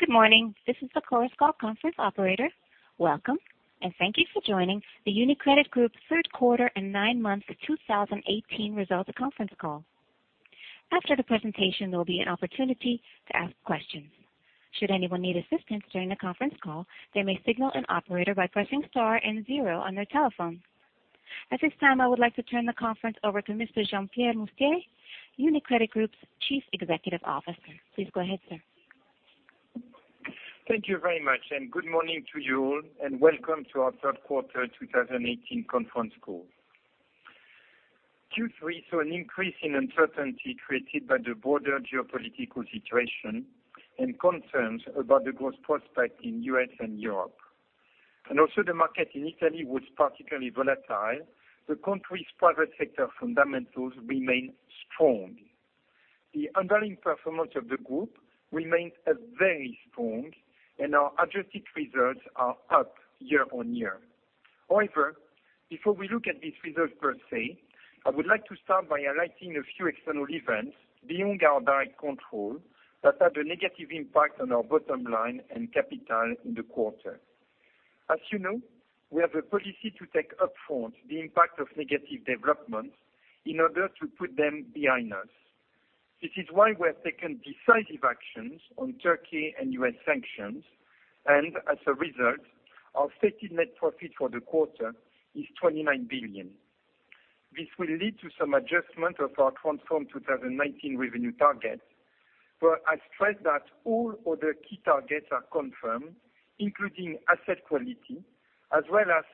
Good morning. This is the Chorus Call conference operator. Welcome, and thank you for joining the UniCredit Group third quarter and nine months of 2018 results conference call. After the presentation, there will be an opportunity to ask questions. Should anyone need assistance during the conference call, they may signal an operator by pressing star and zero on their telephone. At this time, I would like to turn the conference over to Mr. Jean-Pierre Mustier, UniCredit Group's Chief Executive Officer. Please go ahead, sir. Thank you very much, and good morning to you all, and welcome to our third quarter 2018 conference call. Q3 saw an increase in uncertainty created by the broader geopolitical situation and concerns about the growth prospect in U.S. and Europe. Also the market in Italy was particularly volatile. The country's private sector fundamentals remain strong. The underlying performance of the group remains as very strong, and our adjusted results are up year-on-year. However, before we look at these results per se, I would like to start by highlighting a few external events beyond our direct control that had a negative impact on our bottom line and capital in the quarter. As you know, we have a policy to take up front the impact of negative developments in order to put them behind us. This is why we have taken decisive actions on Turkey and U.S. sanctions, and as a result, our stated net profit for the quarter is 29 million. This will lead to some adjustment of our Transform 2019 revenue targets. I stress that all other key targets are confirmed, including asset quality, as well as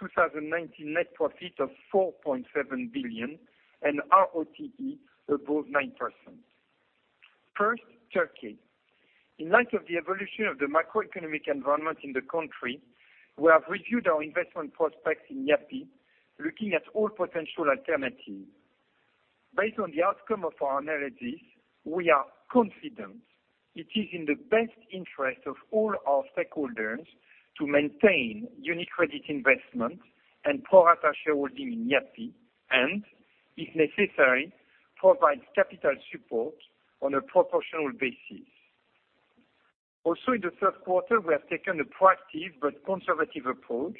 2019 net profit of 4.7 billion and ROTE above 9%. First, Turkey. In light of the evolution of the macroeconomic environment in the country, we have reviewed our investment prospects in Yapı Kredi, looking at all potential alternatives. Based on the outcome of our analysis, we are confident it is in the best interest of all our stakeholders to maintain UniCredit Group investment and pro rata shareholding in Yapı Kredi, and, if necessary, provide capital support on a proportional basis. Also, in the third quarter, we have taken a proactive but conservative approach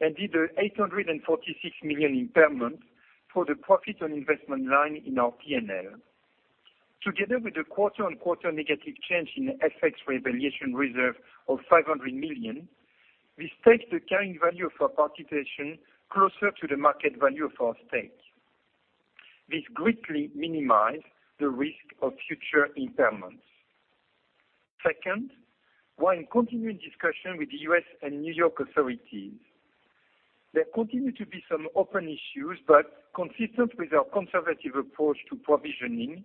and did a 846 million impairment for the profit on investment line in our P&L. Together with the quarter-on-quarter negative change in FX revaluation reserve of 500 million, this takes the carrying value of our participation closer to the market value of our stake. This greatly minimize the risk of future impairments. Second, we are in continuing discussion with the U.S. and New York authorities. There continue to be some open issues, but consistent with our conservative approach to provisioning,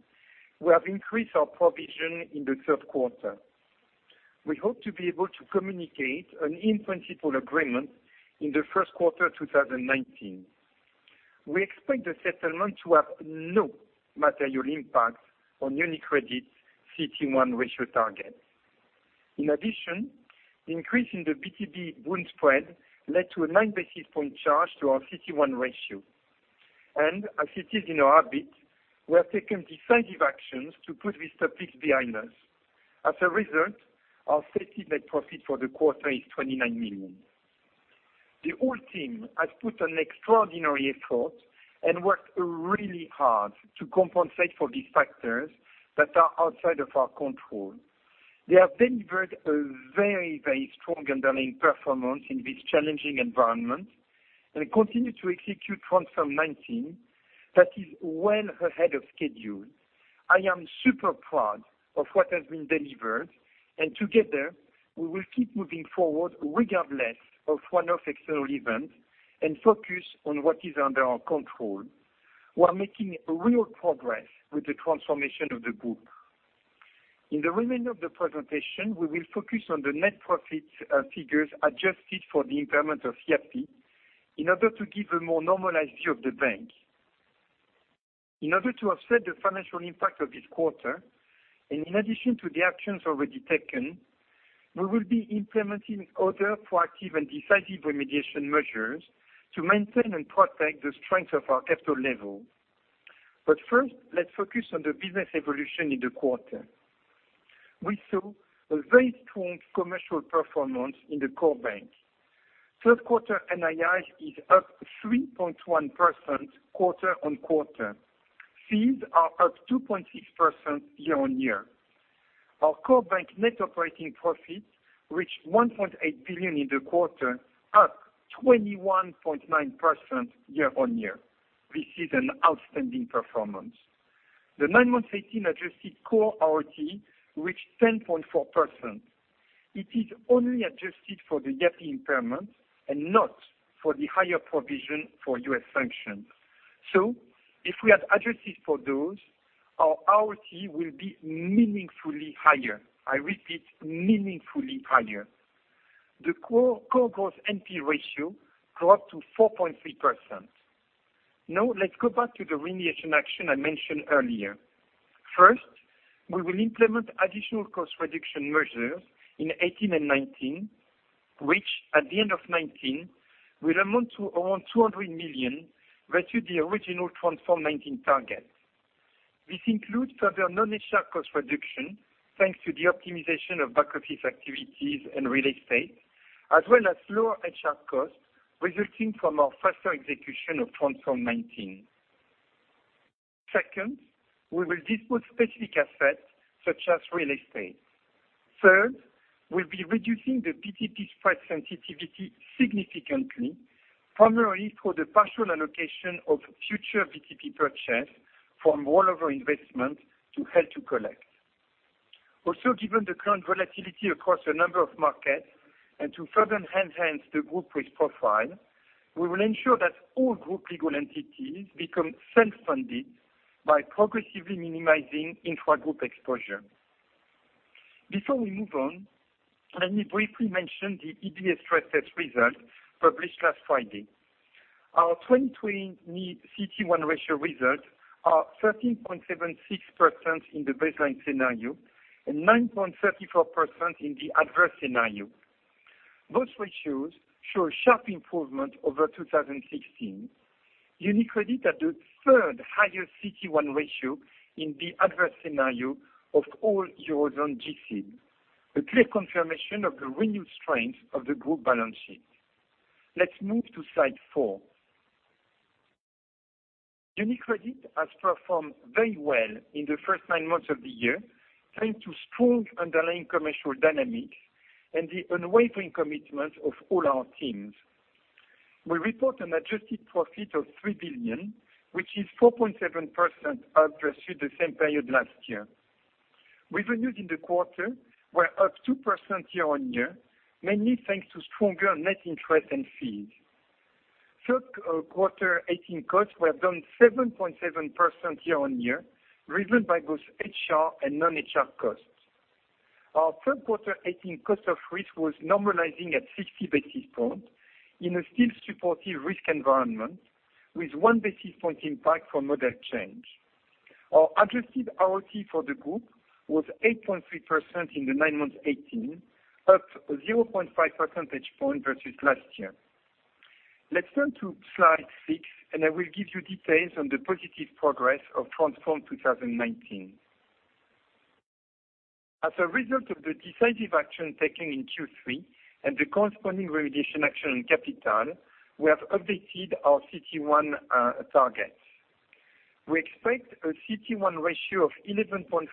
we have increased our provision in the third quarter. We hope to be able to communicate an in-principle agreement in the first quarter 2019. We expect the settlement to have no material impact on UniCredit Group CET1 ratio target. In addition, the increase in the BTP-Bund spread led to a nine-basis point charge to our CET1 ratio. As it is in our habit, we have taken decisive actions to put this topic behind us. As a result, our stated net profit for the quarter is 29 million. The whole team has put an extraordinary effort and worked really hard to compensate for these factors that are outside of our control. They have delivered a very, very strong underlying performance in this challenging environment and continue to execute Transform 19 that is well ahead of schedule. I am super proud of what has been delivered, and together, we will keep moving forward regardless of one-off external events and focus on what is under our control while making real progress with the transformation of the group. In the remainder of the presentation, we will focus on the net profit figures adjusted for the impairment of Yapı Kredi in order to give a more normalized view of the bank. In order to offset the financial impact of this quarter, in addition to the actions already taken, we will be implementing other proactive and decisive remediation measures to maintain and protect the strength of our capital level. First, let's focus on the business evolution in the quarter. We saw a very strong commercial performance in the core bank. Third quarter NII is up 3.1% quarter-on-quarter. Fees are up 2.6% year-on-year. Our core bank net operating profit reached 1.8 billion in the quarter, up 21.9% year-on-year. This is an outstanding performance. The nine-month 2018 adjusted core ROT reached 10.4%. It is only adjusted for the Yapı Kredi impairment and not for the higher provision for U.S. sanctions. If we had adjusted for those, our ROT will be meaningfully higher. I repeat, meaningfully higher. The core gross NPE ratio grew up to 4.3%. Now, let's go back to the remediation action I mentioned earlier. First, we will implement additional cost reduction measures in 2018 and 2019 which, at the end of 2019, will amount to around 200 million versus the original Transform 19 target. This includes further non-HR cost reduction, thanks to the optimization of back-office activities and real estate, as well as lower HR costs resulting from our faster execution of Transform 19. Second, we will dispose specific assets, such as real estate. Third, we will be reducing the BTP spread sensitivity significantly, primarily through the partial allocation of future BTP purchase from rollover investment to held to collect. Also, given the current volatility across a number of markets and to further enhance the group risk profile, we will ensure that all group legal entities become self-funded by progressively minimizing intra-group exposure. Before we move on, let me briefly mention the EBA stress test result published last Friday. Our 2020 CET1 ratio result are 13.76% in the baseline scenario and 9.34% in the adverse scenario. Those ratios show a sharp improvement over 2016. UniCredit Group had the third highest CET1 ratio in the adverse scenario of all eurozone G-SIB, a clear confirmation of the renewed strength of the group balance sheet. Let's move to slide four. UniCredit Group has performed very well in the first nine months of the year, thanks to strong underlying commercial dynamics and the unwavering commitment of all our teams. We report an adjusted profit of 3 billion, which is 4.7% up versus the same period last year. Revenues in the quarter were up 2% year-on-year, mainly thanks to stronger net interest and fees. Third quarter 2018 costs were down 7.7% year-on-year, driven by both HR and non-HR costs. Our third quarter 2018 cost of risk was normalizing at 60 basis points in a still supportive risk environment with one basis point impact from model change. Our adjusted ROTE for the group was 8.3% in the nine-month 2018, up 0.5 percentage point versus last year. Let's turn to slide six, and I will give you details on the positive progress of Transform 2019. As a result of the decisive action taken in Q3 and the corresponding remediation action on capital, we have updated our CET1 targets. We expect a CET1 ratio of 11.5%-12%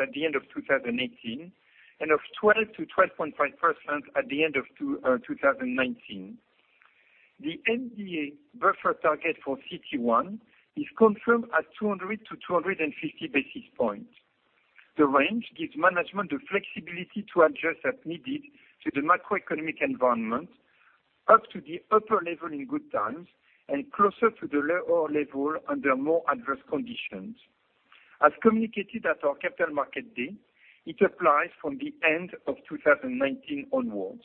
at the end of 2018, and of 12%-12.5% at the end of 2019. The MDA buffer target for CET1 is confirmed at 200-250 basis points. The range gives management the flexibility to adjust as needed to the macroeconomic environment, up to the upper level in good times and closer to the lower level under more adverse conditions. As communicated at our Capital Markets Day, it applies from the end of 2019 onwards.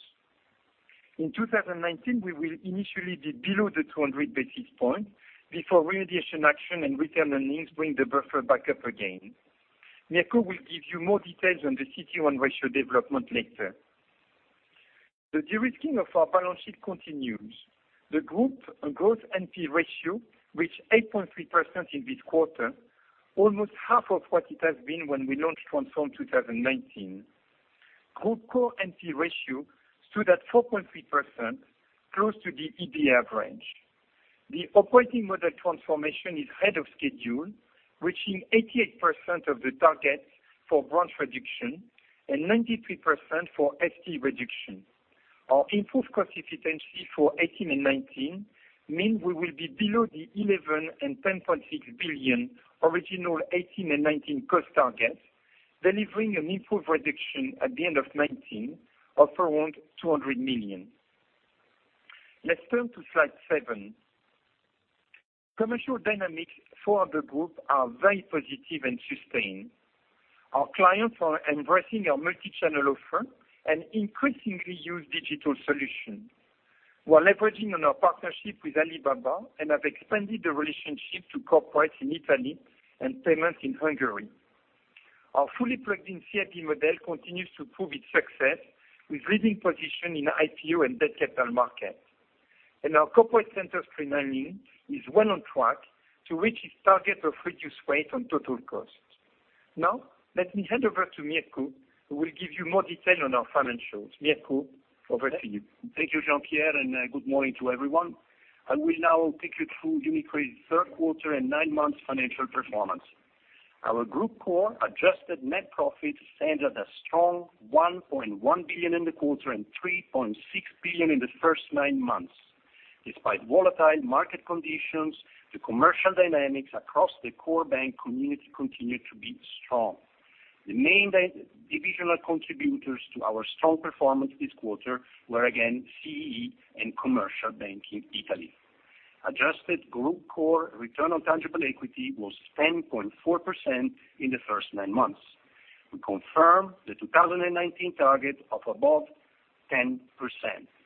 In 2019, we will initially be below the 200 basis points before remediation action and retained earnings bring the buffer back up again. Mirko Bianchi will give you more details on the CET1 ratio development later. The de-risking of our balance sheet continues. The group gross NPE ratio reached 8.3% in this quarter, almost half of what it has been when we launched Transform 2019. Group core NPE ratio stood at 4.3%, close to the EBA average. The operating model transformation is ahead of schedule, reaching 88% of the target for branch reduction and 93% for FTE reduction. Our improved cost efficiency for 2018 and 2019 mean we will be below the 11 billion and 10.6 billion original 2018 and 2019 cost targets, delivering an improved reduction at the end of 2019 of around 200 million. Let's turn to slide seven. Commercial dynamics for the group are very positive and sustained. Our clients are embracing our multi-channel offer and increasingly use digital solutions. We're leveraging on our partnership with Alibaba and have expanded the relationship to corporates in Italy and payments in Hungary. Our fully plugged-in CIB model continues to prove its success with leading position in IPO and debt capital markets. Our corporate centers streamlining is well on track to reach its target of reduced weight on total cost. Now, let me hand over to Mirko Bianchi, who will give you more detail on our financials. Mirko Bianchi, over to you. Thank you, Jean-Pierre Mustier, good morning to everyone. I will now take you through UniCredit Group's third quarter and nine months financial performance. Our Group Core Adjusted net profits stand at a strong 1.1 billion in the quarter and 3.6 billion in the first nine months. Despite volatile market conditions, the commercial dynamics across the core bank community continued to be strong. The main divisional contributors to our strong performance this quarter were again CEE and Commercial Banking Italy. Adjusted Group Core Return on Tangible Equity was 10.4% in the first nine months. We confirm the 2019 target of above 10%.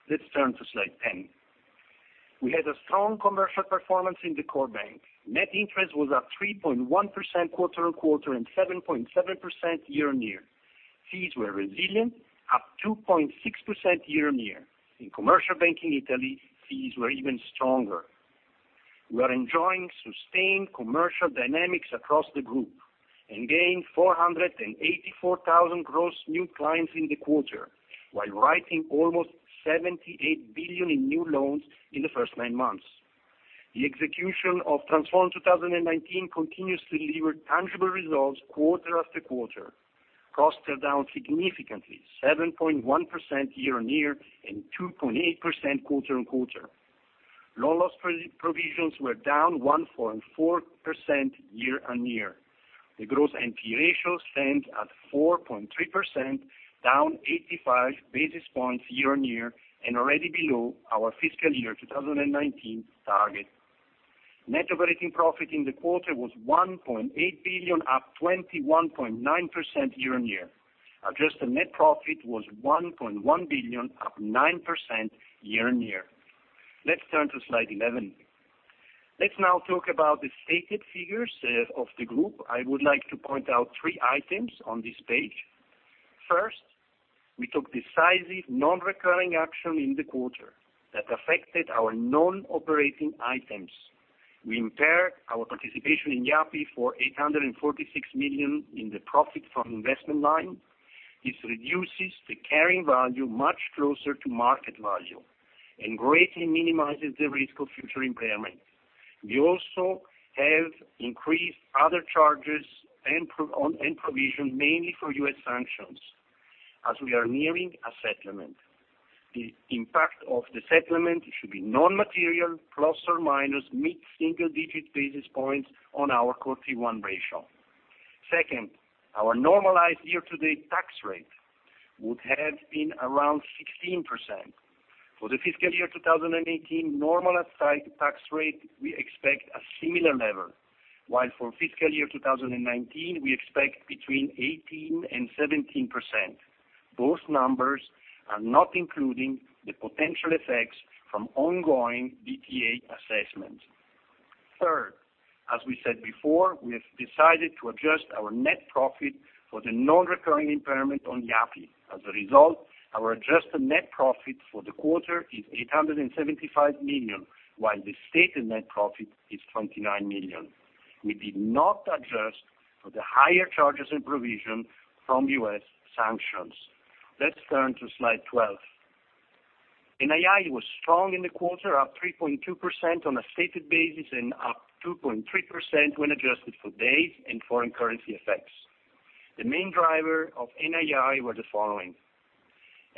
Let's turn to slide 10. We had a strong commercial performance in the core bank. Net interest was up 3.1% quarter-on-quarter and 7.7% year-on-year. Fees were resilient, up 2.6% year-on-year. In Commercial Banking Italy, fees were even stronger. We are enjoying sustained commercial dynamics across the group and gained 484,000 gross new clients in the quarter, while writing almost 78 billion in new loans in the first nine months. The execution of Transform 2019 continues to deliver tangible results quarter after quarter. Costs are down significantly, 7.1% year-on-year and 2.8% quarter-on-quarter. Loan loss provisions were down 1.4% year-on-year. The gross NPE ratio stands at 4.3%, down 85 basis points year-on-year and already below our FY 2019 target. Net operating profit in the quarter was 1.8 billion, up 21.9% year-on-year. Adjusted net profit was 1.1 billion, up 9% year-on-year. Let's turn to slide 11. Let's now talk about the stated figures of the group. I would like to point out three items on this page. First, we took decisive non-recurring action in the quarter that affected our non-operating items. We impaired our participation in Yapı Kredi for 846 million in the profit from investment line. This reduces the carrying value much closer to market value and greatly minimizes the risk of future impairment. We also have increased other charges and provision mainly for U.S. sanctions, as we are nearing a settlement. The impact of the settlement should be non-material, ± mid-single digit basis points on our Core Tier 1 ratio. Second, our normalized year-to-date tax rate would have been around 16%. For the FY 2018 normalized tax rate, we expect a similar level. While for FY 2019, we expect between 18% and 17%. Both numbers are not including the potential effects from ongoing DTA assessments. Third, as we said before, we have decided to adjust our net profit for the non-recurring impairment on Yapı Kredi. As a result, our adjusted net profit for the quarter is 875 million, while the stated net profit is 29 million. We did not adjust for the higher charges and provision from U.S. sanctions. Let's turn to slide 12. NII was strong in the quarter, up 3.2% on a stated basis and up 2.3% when adjusted for days and foreign currency effects. The main driver of NII were the following.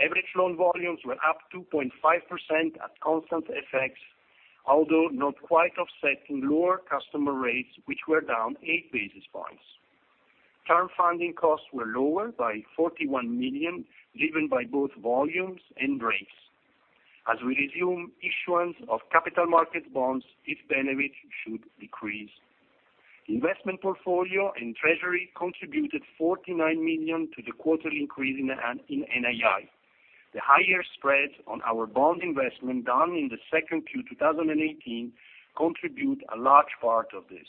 Average loan volumes were up 2.5% at constant FX, although not quite offsetting lower customer rates, which were down eight basis points. Term funding costs were lower by 41 million, driven by both volumes and rates. As we resume issuance of capital market bonds, this benefit should decrease. Investment portfolio and treasury contributed 49 million to the quarterly increase in NII. The higher spreads on our bond investment done in the 2Q 2018 contribute a large part of this.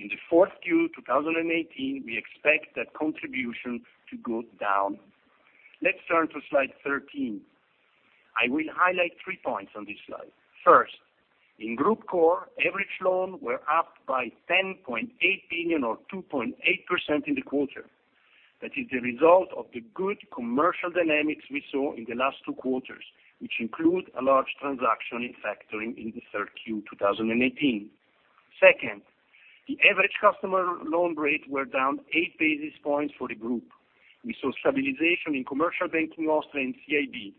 In the 4Q 2018, we expect that contribution to go down. Let's turn to slide 13. I will highlight three points on this slide. First, in Group Core, average loans were up by 10.8 billion or 2.8% in the quarter. That is the result of the good commercial dynamics we saw in the last two quarters, which include a large transaction in factoring in the 3Q 2018. Second, the average customer loan rates were down eight basis points for the group. We saw stabilization in Commercial Banking Austria and CIB.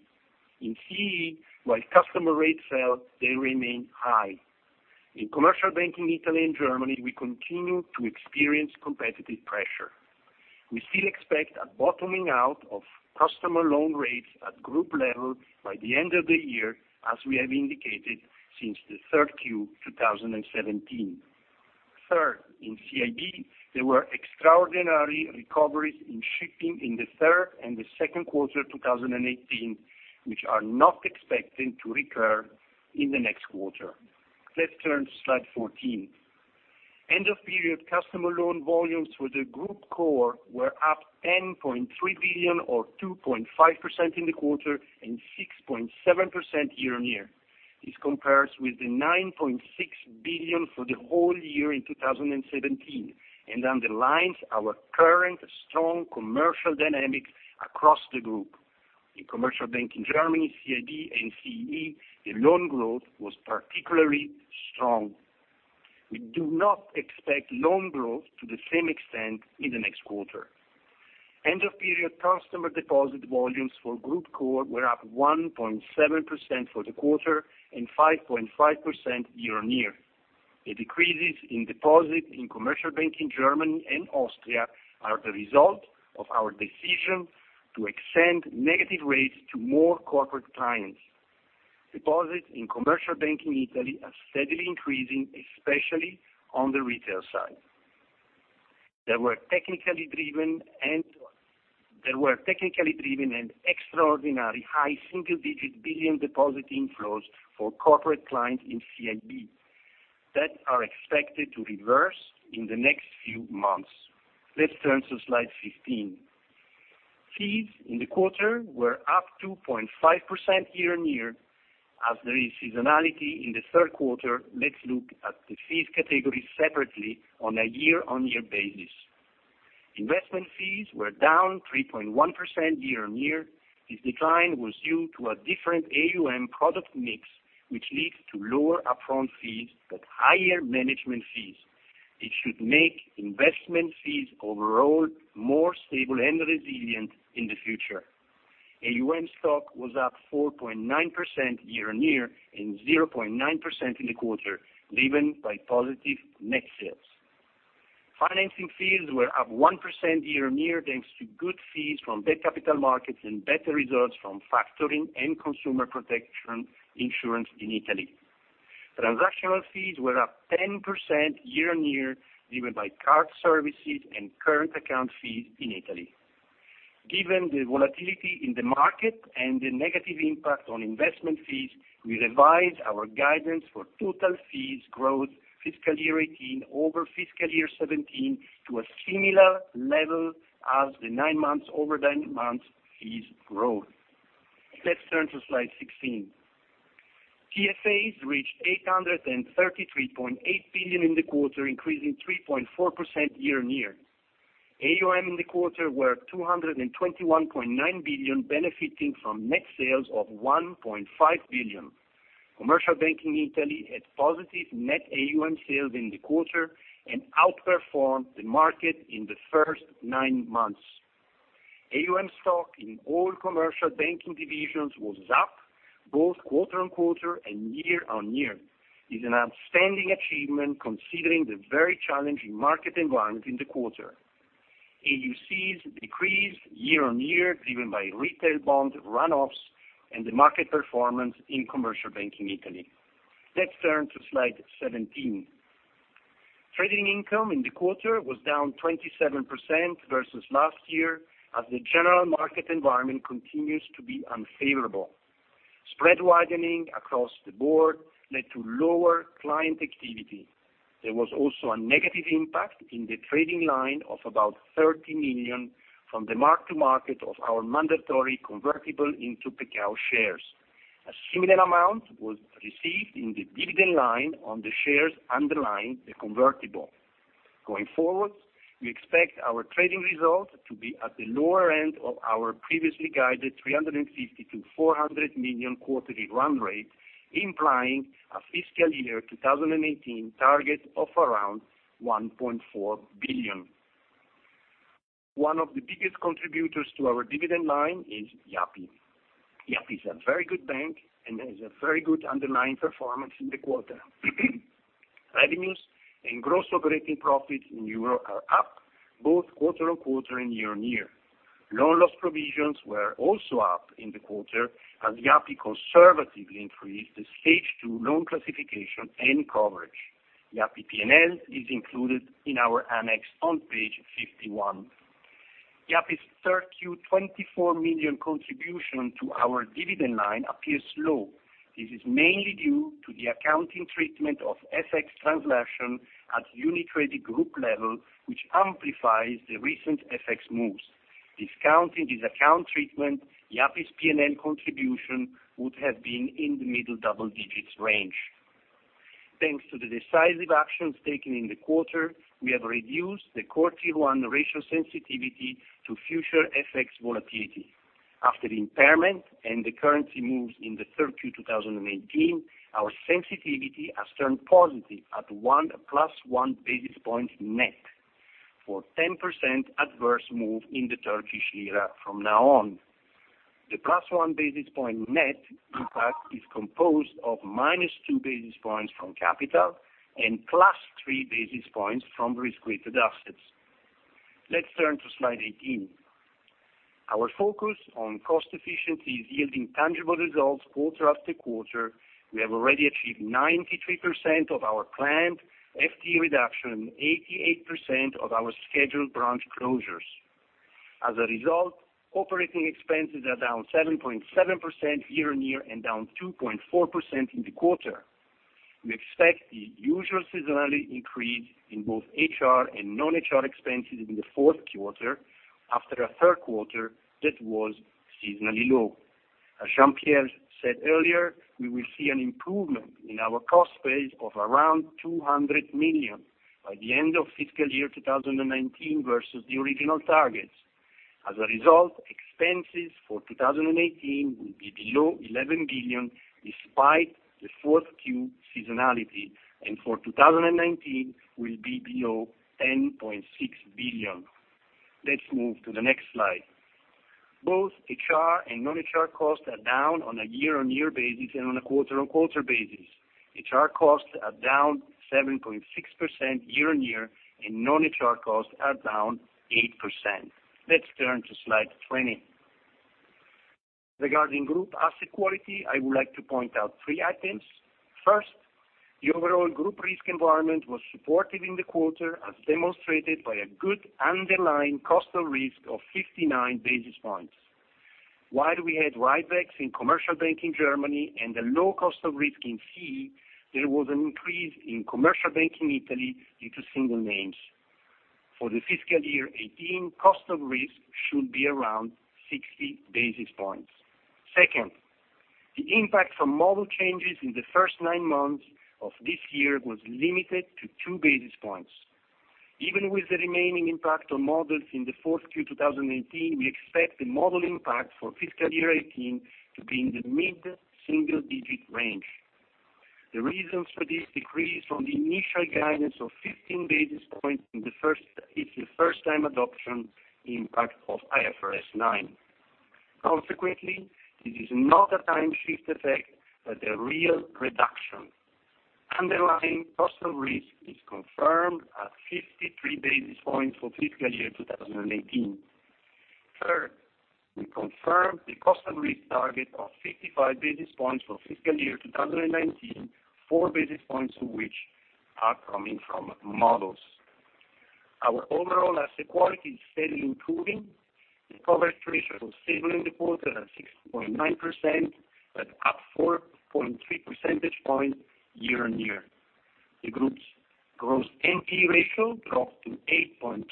In CEE, while customer rates fell, they remain high. In Commercial Banking Italy and Commercial Banking Germany, we continue to experience competitive pressure. We still expect a bottoming out of customer loan rates at group level by the end of the year, as we have indicated since the third quarter 2017. Third, in CIB, there were extraordinary recoveries in shipping in the third and second quarter 2018, which are not expected to recur in the next quarter. Let's turn to slide 14. End-of-period customer loan volumes for the Group Core were up 10.3 billion or 2.5% in the quarter and 6.7% year-on-year. This compares with 9.6 billion for the whole year in 2017 and underlines our current strong commercial dynamics across the group. In Commercial Banking Germany, CIB and CEE, the loan growth was particularly strong. We do not expect loan growth to the same extent in the next quarter. End-of-period customer deposit volumes for Group Core were up 1.7% for the quarter and 5.5% year-on-year. The decreases in deposit in Commercial Banking Germany and Austria are the result of our decision to extend negative rates to more corporate clients. Deposits in Commercial Banking Italy are steadily increasing, especially on the retail side. There were technically driven and extraordinary high single-digit billion deposit inflows for corporate clients in CIB that are expected to reverse in the next few months. Let's turn to slide 15. Fees in the quarter were up 2.5% year-on-year. As there is seasonality in the third quarter, let's look at the fees category separately on a year-on-year basis. Investment fees were down 3.1% year-on-year. This decline was due to a different AUM product mix, which leads to lower upfront fees but higher management fees. It should make investment fees overall more stable and resilient in the future. AUM stock was up 4.9% year-on-year and 0.9% in the quarter, driven by positive net sales. Financing fees were up 1% year-on-year, thanks to good fees from debt capital markets and better results from factoring and consumer protection insurance in Italy. Transactional fees were up 10% year-on-year, driven by card services and current account fees in Italy. Given the volatility in the market and the negative impact on investment fees, we revise our guidance for total fees growth fiscal year 2018 over fiscal year 2017 to a similar level as the nine months over nine months fees growth. Let's turn to slide 16. TFAs reached 833.8 billion in the quarter, increasing 3.4% year-on-year. AUM in the quarter were 221.9 billion, benefiting from net sales of 1.5 billion. Commercial Banking Italy had positive net AUM sales in the quarter and outperformed the market in the first nine months. AUM stock in all Commercial Banking divisions was up, both quarter-on-quarter and year-on-year, is an outstanding achievement considering the very challenging market environment in the quarter. AUCs decreased year-on-year, driven by retail bond run-offs and the market performance in Commercial Banking Italy. Let's turn to slide 17. Trading income in the quarter was down 27% versus last year, as the general market environment continues to be unfavorable. Spread widening across the board led to lower client activity. There was also a negative impact in the trading line of about 30 million from the mark to market of our mandatory convertible into Bank Pekao shares. A similar amount was received in the dividend line on the shares underlying the convertible. Going forward, we expect our trading results to be at the lower end of our previously guided 350 million-400 million quarterly run rate, implying a fiscal year 2018 target of around 1.4 billion. One of the biggest contributors to our dividend line is Yapı Kredi. Yapı Kredi is a very good bank and has a very good underlying performance in the quarter. Revenues and gross operating profits in euro are up, both quarter-on-quarter and year-on-year. Loan loss provisions were also up in the quarter as Yapı Kredi conservatively increased the stage two loan classification and coverage. Yapı Kredi P&L is included in our annex on page 51. Yapı Kredi's third quarter 24 million contribution to our dividend line appears low. This is mainly due to the accounting treatment of FX translation at UniCredit Group level, which amplifies the recent FX moves. Discounting this account treatment, Yapı Kredi's P&L contribution would have been in the middle double digits range. Thanks to the decisive actions taken in the quarter, we have reduced the Core Tier 1 ratio sensitivity to future FX volatility. After the impairment and the currency moves in the third Q 2018, our sensitivity has turned positive at +1 basis point net, for 10% adverse move in the Turkish lira from now on. The +1 basis point net, in fact, is composed of -2 basis points from capital and +3 basis points from risk-weighted assets. Let's turn to slide 18. Our focus on cost efficiency is yielding tangible results quarter after quarter. We have already achieved 93% of our planned FTE reduction and 88% of our scheduled branch closures. As a result, operating expenses are down 7.7% year-on-year and down 2.4% in the quarter. We expect the usual seasonally increase in both HR and non-HR expenses in the fourth quarter after a third quarter that was seasonally low. As Jean-Pierre Mustier said earlier, we will see an improvement in our cost base of around 200 million by the end of fiscal year 2019 versus the original targets. As a result, expenses for 2018 will be below 11 billion, despite the fourth quarter seasonality, and for 2019 will be below 10.6 billion. Let's move to the next slide. Both HR and non-HR costs are down on a year-on-year basis and on a quarter-on-quarter basis. HR costs are down 7.6% year-on-year, and non-HR costs are down 8%. Let's turn to slide 20. Regarding group asset quality, I would like to point out three items. First, the overall group risk environment was supportive in the quarter, as demonstrated by a good underlying cost of risk of 59 basis points. While we had write-backs in Commercial Banking Germany and a low cost of risk in CEE, there was an increase in Commercial Banking Italy due to single names. For the fiscal year 2018, cost of risk should be around 60 basis points. Second, the impact from model changes in the first nine months of this year was limited to two basis points. Even with the remaining impact on models in the fourth quarter 2018, we expect the model impact for fiscal year 2018 to be in the mid-single-digit range. The reasons for this decrease from the initial guidance of 15 basis points is the first-time adoption impact of IFRS 9. Consequently, it is not a time shift effect, but a real reduction. Underlying cost of risk is confirmed at 53 basis points for fiscal year 2018. Third, we confirm the cost of risk target of 55 basis points for fiscal year 2019, four basis points of which are coming from models. Our overall asset quality is steadily improving. The coverage ratio was stable in the quarter at 6.9%, but up 4.3 percentage points year-on-year. The Group's gross NPE ratio dropped to 8.3%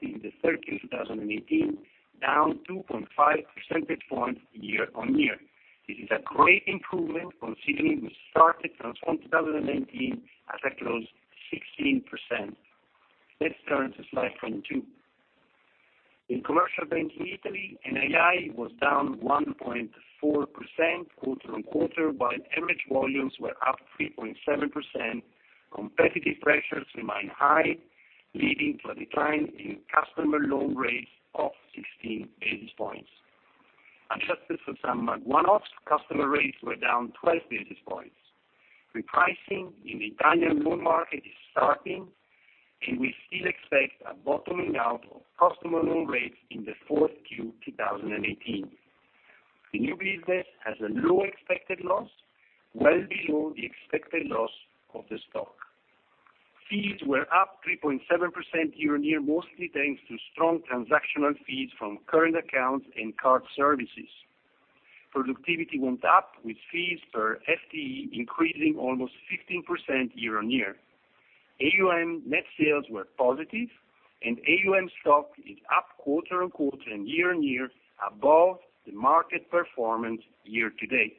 in the third quarter 2018, down 2.5 percentage points year-on-year. This is a great improvement considering we started Transform 2019 at a close 16%. Let's turn to slide 22. In Commercial Banking Italy, NII was down 1.4% quarter-on-quarter, while average volumes were up 3.7%. Competitive pressures remain high, leading to a decline in customer loan rates of 16 basis points. Adjusted for some one-offs, customer rates were down 12 basis points. Repricing in the Italian loan market is starting, and we still expect a bottoming out of customer loan rates in the fourth quarter 2018. The new business has a low expected loss, well below the expected loss of the stock. Fees were up 3.7% year-on-year, mostly thanks to strong transactional fees from current accounts and card services. Productivity went up, with fees per FTE increasing almost 15% year-on-year. AUM net sales were positive, and AUM stock is up quarter-on-quarter and year-on-year above the market performance year to date.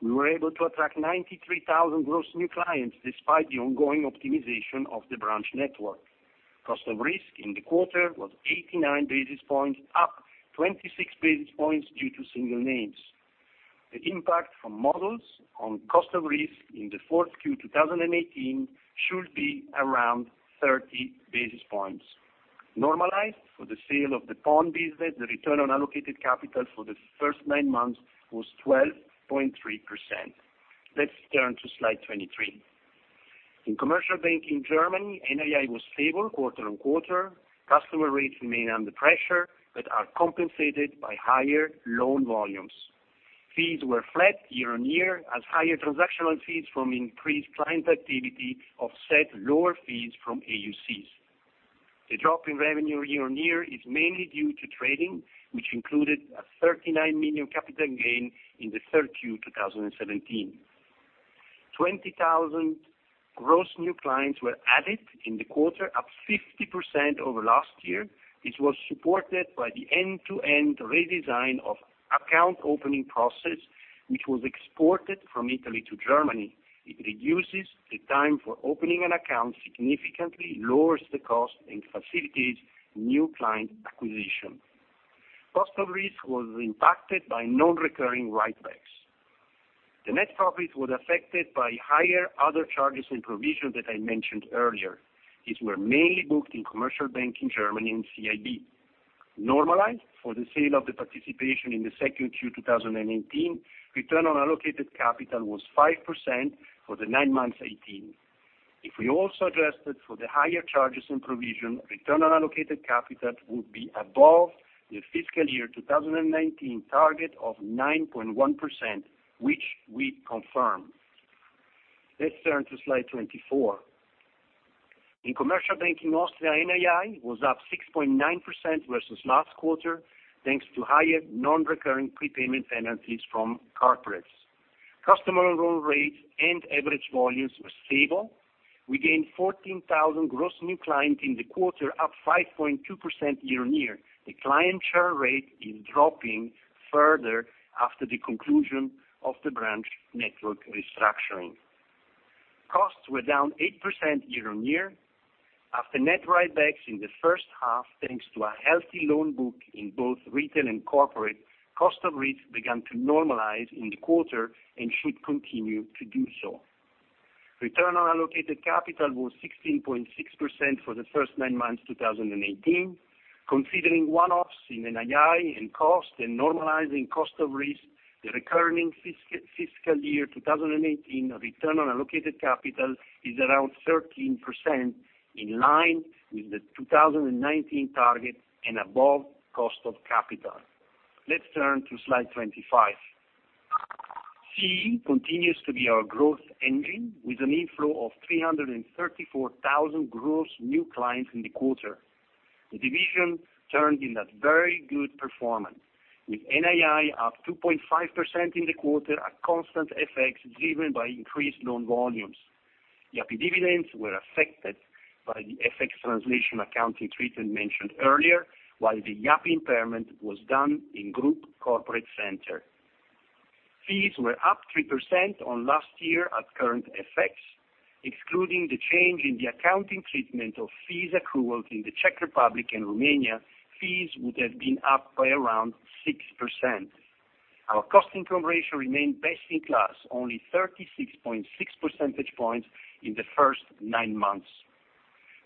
We were able to attract 93,000 gross new clients, despite the ongoing optimization of the branch network. Cost of risk in the quarter was 89 basis points, up 26 basis points due to single names. The impact from models on cost of risk in the fourth quarter 2018 should be around 30 basis points. Normalized for the sale of the pawn business, the return on allocated capital for the first nine months was 12.3%. Let's turn to slide 23. In Commercial Banking Germany, NII was stable quarter-on-quarter. Customer rates remain under pressure but are compensated by higher loan volumes. Fees were flat year-on-year, as higher transactional fees from increased client activity offset lower fees from AUCs. The drop in revenue year-on-year is mainly due to trading, which included a 39 million capital gain in the third quarter 2017. 20,000 gross new clients were added in the quarter, up 50% over last year. This was supported by the end-to-end redesign of account opening process, which was exported from Italy to Germany. It reduces the time for opening an account significantly, lowers the cost, and facilitates new client acquisition. Cost of risk was impacted by non-recurring write-backs. The net profit was affected by higher other charges and provisions that I mentioned earlier. These were mainly booked in Commercial Banking Germany and CIB. Normalized for the sale of the participation in the second quarter 2018, return on allocated capital was 5% for the nine months 2018. If we also adjusted for the higher charges and provision, return on allocated capital would be above the fiscal year 2019 target of 9.1%, which we confirm. Let's turn to slide 24. In Commercial Banking Austria, NII was up 6.9% versus last quarter, thanks to higher non-recurring prepayment penalties from corporates. Customer loan rates and average volumes were stable. We gained 14,000 gross new clients in the quarter, up 5.2% year-on-year. The client churn rate is dropping further after the conclusion of the branch network restructuring. Costs were down 8% year-on-year. After net write-backs in the first half, thanks to a healthy loan book in both retail and corporate, cost of risk began to normalize in the quarter and should continue to do so. Return on allocated capital was 16.6% for the first nine months 2018. Considering one-offs in NII and cost and normalizing cost of risk, the recurring fiscal year 2018 return on allocated capital is around 13%, in line with the 2019 target and above cost of capital. Let's turn to slide 25. CEE continues to be our growth engine, with an inflow of 334,000 gross new clients in the quarter. The division turned in a very good performance, with NII up 2.5% in the quarter at constant FX, driven by increased loan volumes. Yapı Kredi dividends were affected by the FX translation accounting treatment mentioned earlier, while the Yapı Kredi impairment was done in Group Corporate Centre. Fees were up 3% on last year at current FX, excluding the change in the accounting treatment of fees accruals in the Czech Republic and Romania, fees would have been up by around 6%. Our cost-income ratio remained best in class, only 36.6 percentage points in the first nine months.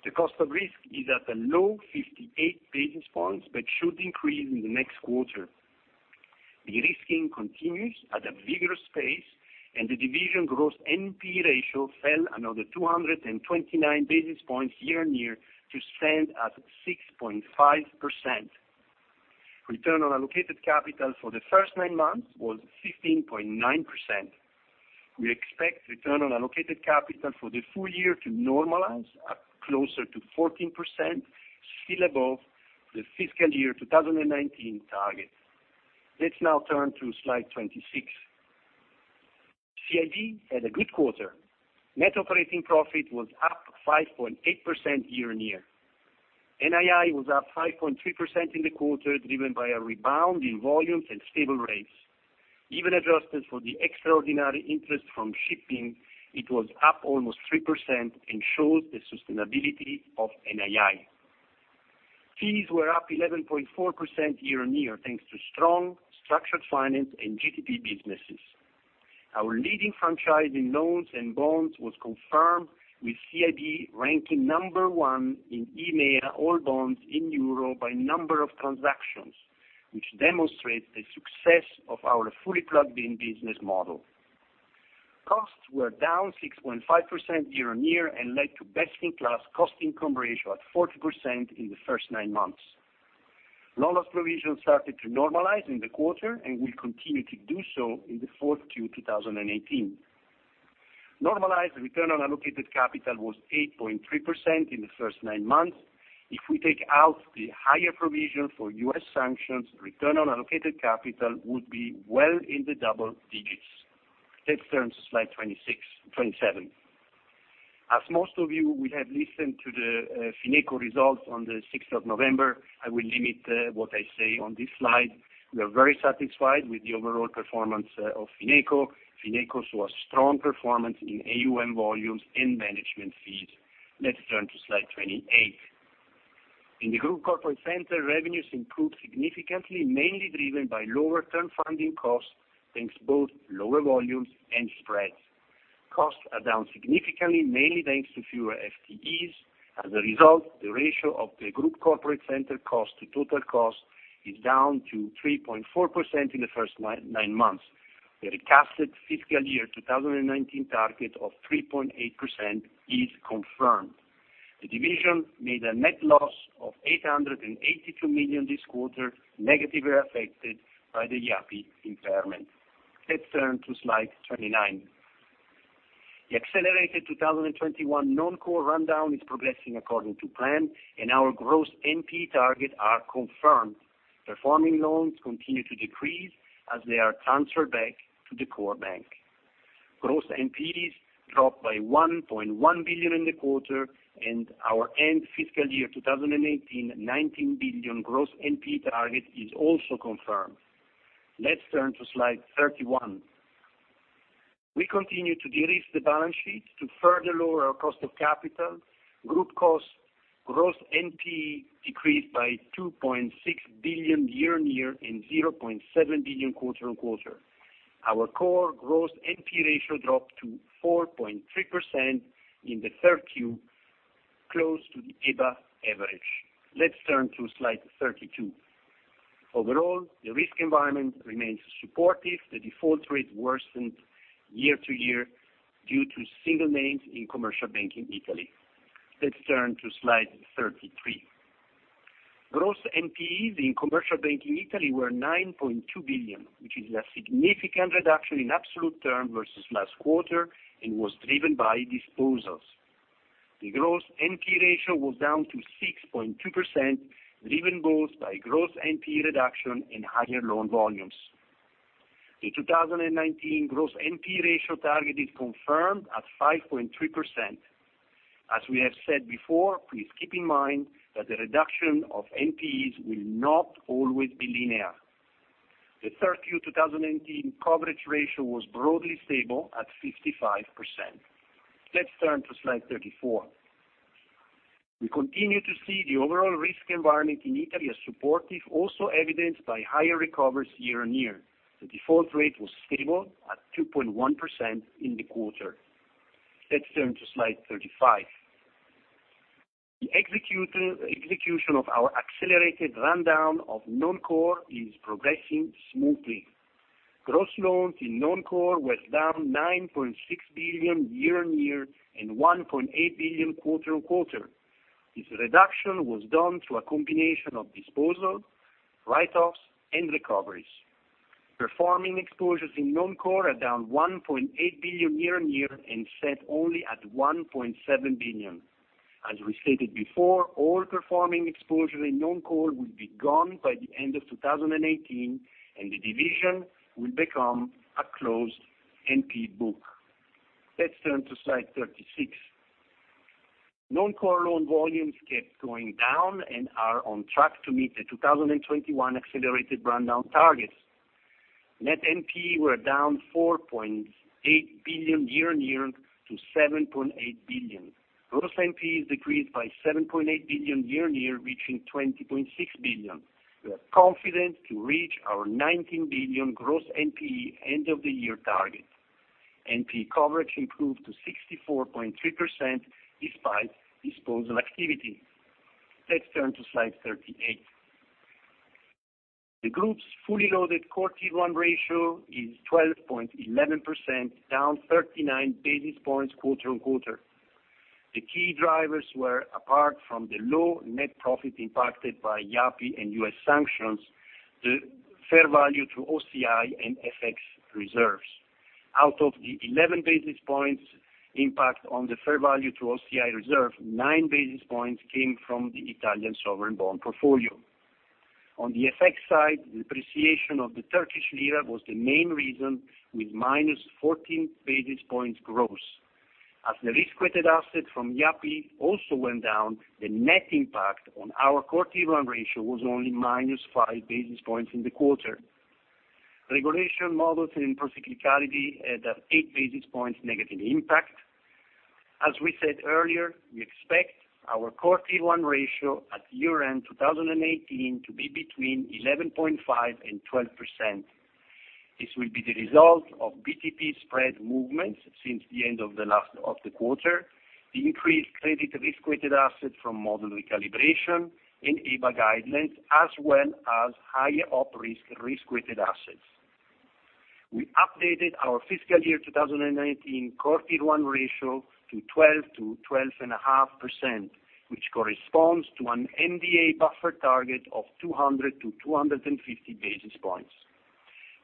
The cost of risk is at a low 58 basis points, but should increase in the next quarter. De-risking continues at a vigorous pace, and the division gross NPE ratio fell another 229 basis points year-on-year to stand at 6.5%. Return on allocated capital for the first nine months was 15.9%. We expect return on allocated capital for the full year to normalize at closer to 14%, still above the fiscal year 2019 target. Let's now turn to slide 26. CIB had a good quarter. Net operating profit was up 5.8% year-on-year. NII was up 5.3% in the quarter, driven by a rebound in volumes and stable rates. Even adjusted for the extraordinary interest from shipping, it was up almost 3% and shows the sustainability of NII. Fees were up 11.4% year-on-year, thanks to strong structured finance and GTB businesses. Our leading franchise in loans and bonds was confirmed, with CIB ranking number one in EMEA, all bonds in euro by number of transactions, which demonstrates the success of our fully plugged-in business model. Costs were down 6.5% year-on-year and led to best-in-class cost-income ratio at 40% in the first nine months. Loan-loss provisions started to normalize in the quarter and will continue to do so in the fourth quarter 2018. Normalized return on allocated capital was 8.3% in the first nine months. If we take out the higher provision for U.S. sanctions, return on allocated capital would be well in the double digits. Let's turn to slide 27. As most of you will have listened to the Fineco results on the 6th of November, I will limit what I say on this slide. We are very satisfied with the overall performance of Fineco. Fineco saw a strong performance in AUM volumes and management fees. Let's turn to slide 28. In the Group Corporate Centre, revenues improved significantly, mainly driven by lower term funding costs, thanks to both lower volumes and spreads. Costs are down significantly, mainly thanks to fewer FTEs. As a result, the ratio of the Group Corporate Centre cost to total cost is down to 3.4% in the first nine months. The recasted fiscal year 2019 target of 3.8% is confirmed. The division made a net loss of 882 million this quarter, negatively affected by the Yapı Kredi impairment. Let's turn to slide 29. The accelerated 2021 non-core rundown is progressing according to plan, and our gross NPE targets are confirmed. Performing loans continue to decrease as they are transferred back to the core bank. Gross NPEs dropped by 1.1 billion in the quarter, and our end fiscal year 2018 19 billion gross NPE target is also confirmed. Let's turn to slide 31. We continue to de-risk the balance sheet to further lower our cost of capital. Group costs gross NPE decreased by 2.6 billion year-on-year and 0.7 billion quarter-on-quarter. Our core gross NPE ratio dropped to 4.3% in the third quarter, close to the EBA average. Let's turn to slide 32. Overall, the risk environment remains supportive. The default rate worsened year-on-year due to single names in Commercial Banking Italy. Let's turn to slide 33. Gross NPEs in Commercial Banking Italy were 9.2 billion, which is a significant reduction in absolute term versus last quarter and was driven by disposals. The gross NPE ratio was down to 6.2%, driven both by gross NPE reduction and higher loan volumes. The 2019 gross NPE ratio target is confirmed at 5.3%. As we have said before, please keep in mind that the reduction of NPEs will not always be linear. The third quarter 2018 coverage ratio was broadly stable at 55%. Let's turn to slide 34. We continue to see the overall risk environment in Italy as supportive, also evidenced by higher recoveries year-on-year. The default rate was stable at 2.1% in the quarter. Let's turn to slide 35. The execution of our accelerated rundown of non-core is progressing smoothly. Gross loans in non-core were down 9.6 billion year-on-year and 1.8 billion quarter-on-quarter. This reduction was done through a combination of disposal, write-offs, and recoveries. Performing exposures in non-core are down 1.8 billion year-on-year and set only at 1.7 billion. As we stated before, all performing exposure in non-core will be gone by the end of 2018, and the division will become a closed NP book. Let's turn to slide 36. Non-core loan volumes kept going down and are on track to meet the 2021 accelerated rundown targets. Net NPE were down 4.8 billion year-on-year to 7.8 billion. Gross NPE decreased by 7.8 billion year-on-year, reaching 20.6 billion. We are confident to reach our 19 billion gross NPE end-of-the-year target. NPE coverage improved to 64.3% despite disposal activity. Let's turn to slide 38. The group's fully loaded Core Tier 1 ratio is 12.11%, down 39 basis points quarter-on-quarter. The key drivers were, apart from the low net profit impacted by Yapı Kredi and U.S. sanctions, the fair value through OCI and FX reserves. Out of the 11 basis points impact on the fair value to OCI reserve, 9 basis points came from the Italian sovereign bond portfolio. On the FX side, the depreciation of the Turkish lira was the main reason, with -14 basis points gross. As the risk-weighted asset from Yapı Kredi also went down, the net impact on our Core Tier 1 ratio was only -5 basis points in the quarter. Regulation models and procyclicality had an 8 basis points negative impact. As we said earlier, we expect our Core Tier 1 ratio at year-end 2018 to be between 11.5% and 12%. This will be the result of BTP spread movements since the end of the quarter, the increased credit risk-weighted asset from model recalibration and EBA guidelines, as well as higher operating risk-weighted asset. We updated our FY 2019 Core Tier 1 ratio to 12%-12.5%, which corresponds to an MDA buffer target of 200-250 basis points.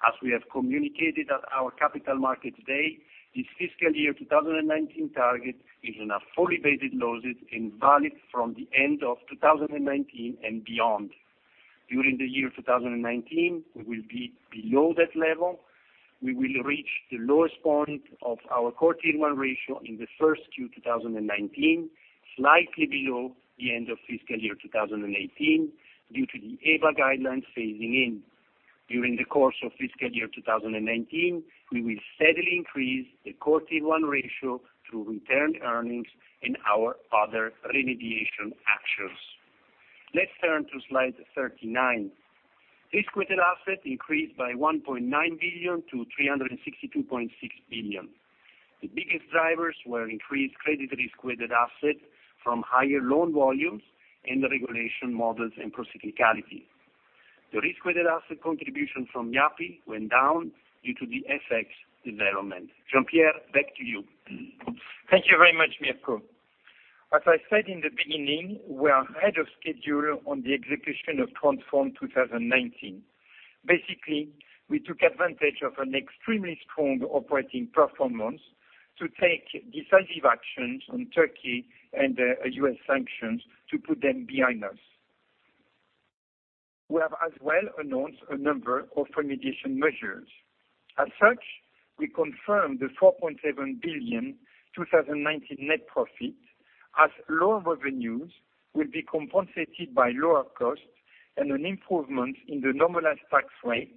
As we have communicated at our Capital Markets Day, this FY 2019 target is on a fully weighted losses and valid from the end of 2019 and beyond. During the year 2019, we will be below that level. We will reach the lowest point of our Core Tier 1 ratio in the first Q 2019, slightly below the end of FY 2018 due to the EBA guidelines phasing in. During the course of FY 2019, we will steadily increase the Core Tier 1 ratio through retained earnings and our other remediation actions. Let's turn to slide 39. Risk-weighted assets increased by 1.9 billion to 362.6 billion. The biggest drivers were increased credit risk-weighted asset from higher loan volumes and the regulation models and procyclicality. The risk-weighted asset contribution from Yapı Kredi went down due to the FX development. Jean-Pierre Mustier, back to you. Thank you very much, Mirko Bianchi. I said in the beginning, we are ahead of schedule on the execution of Transform 2019. Basically, we took advantage of an extremely strong operating performance to take decisive actions on Turkey and the U.S. sanctions to put them behind us. We have as well announced a number of remediation measures. As such, we confirm the 4.7 billion 2019 net profit as lower revenues will be compensated by lower costs and an improvement in the normalized tax rate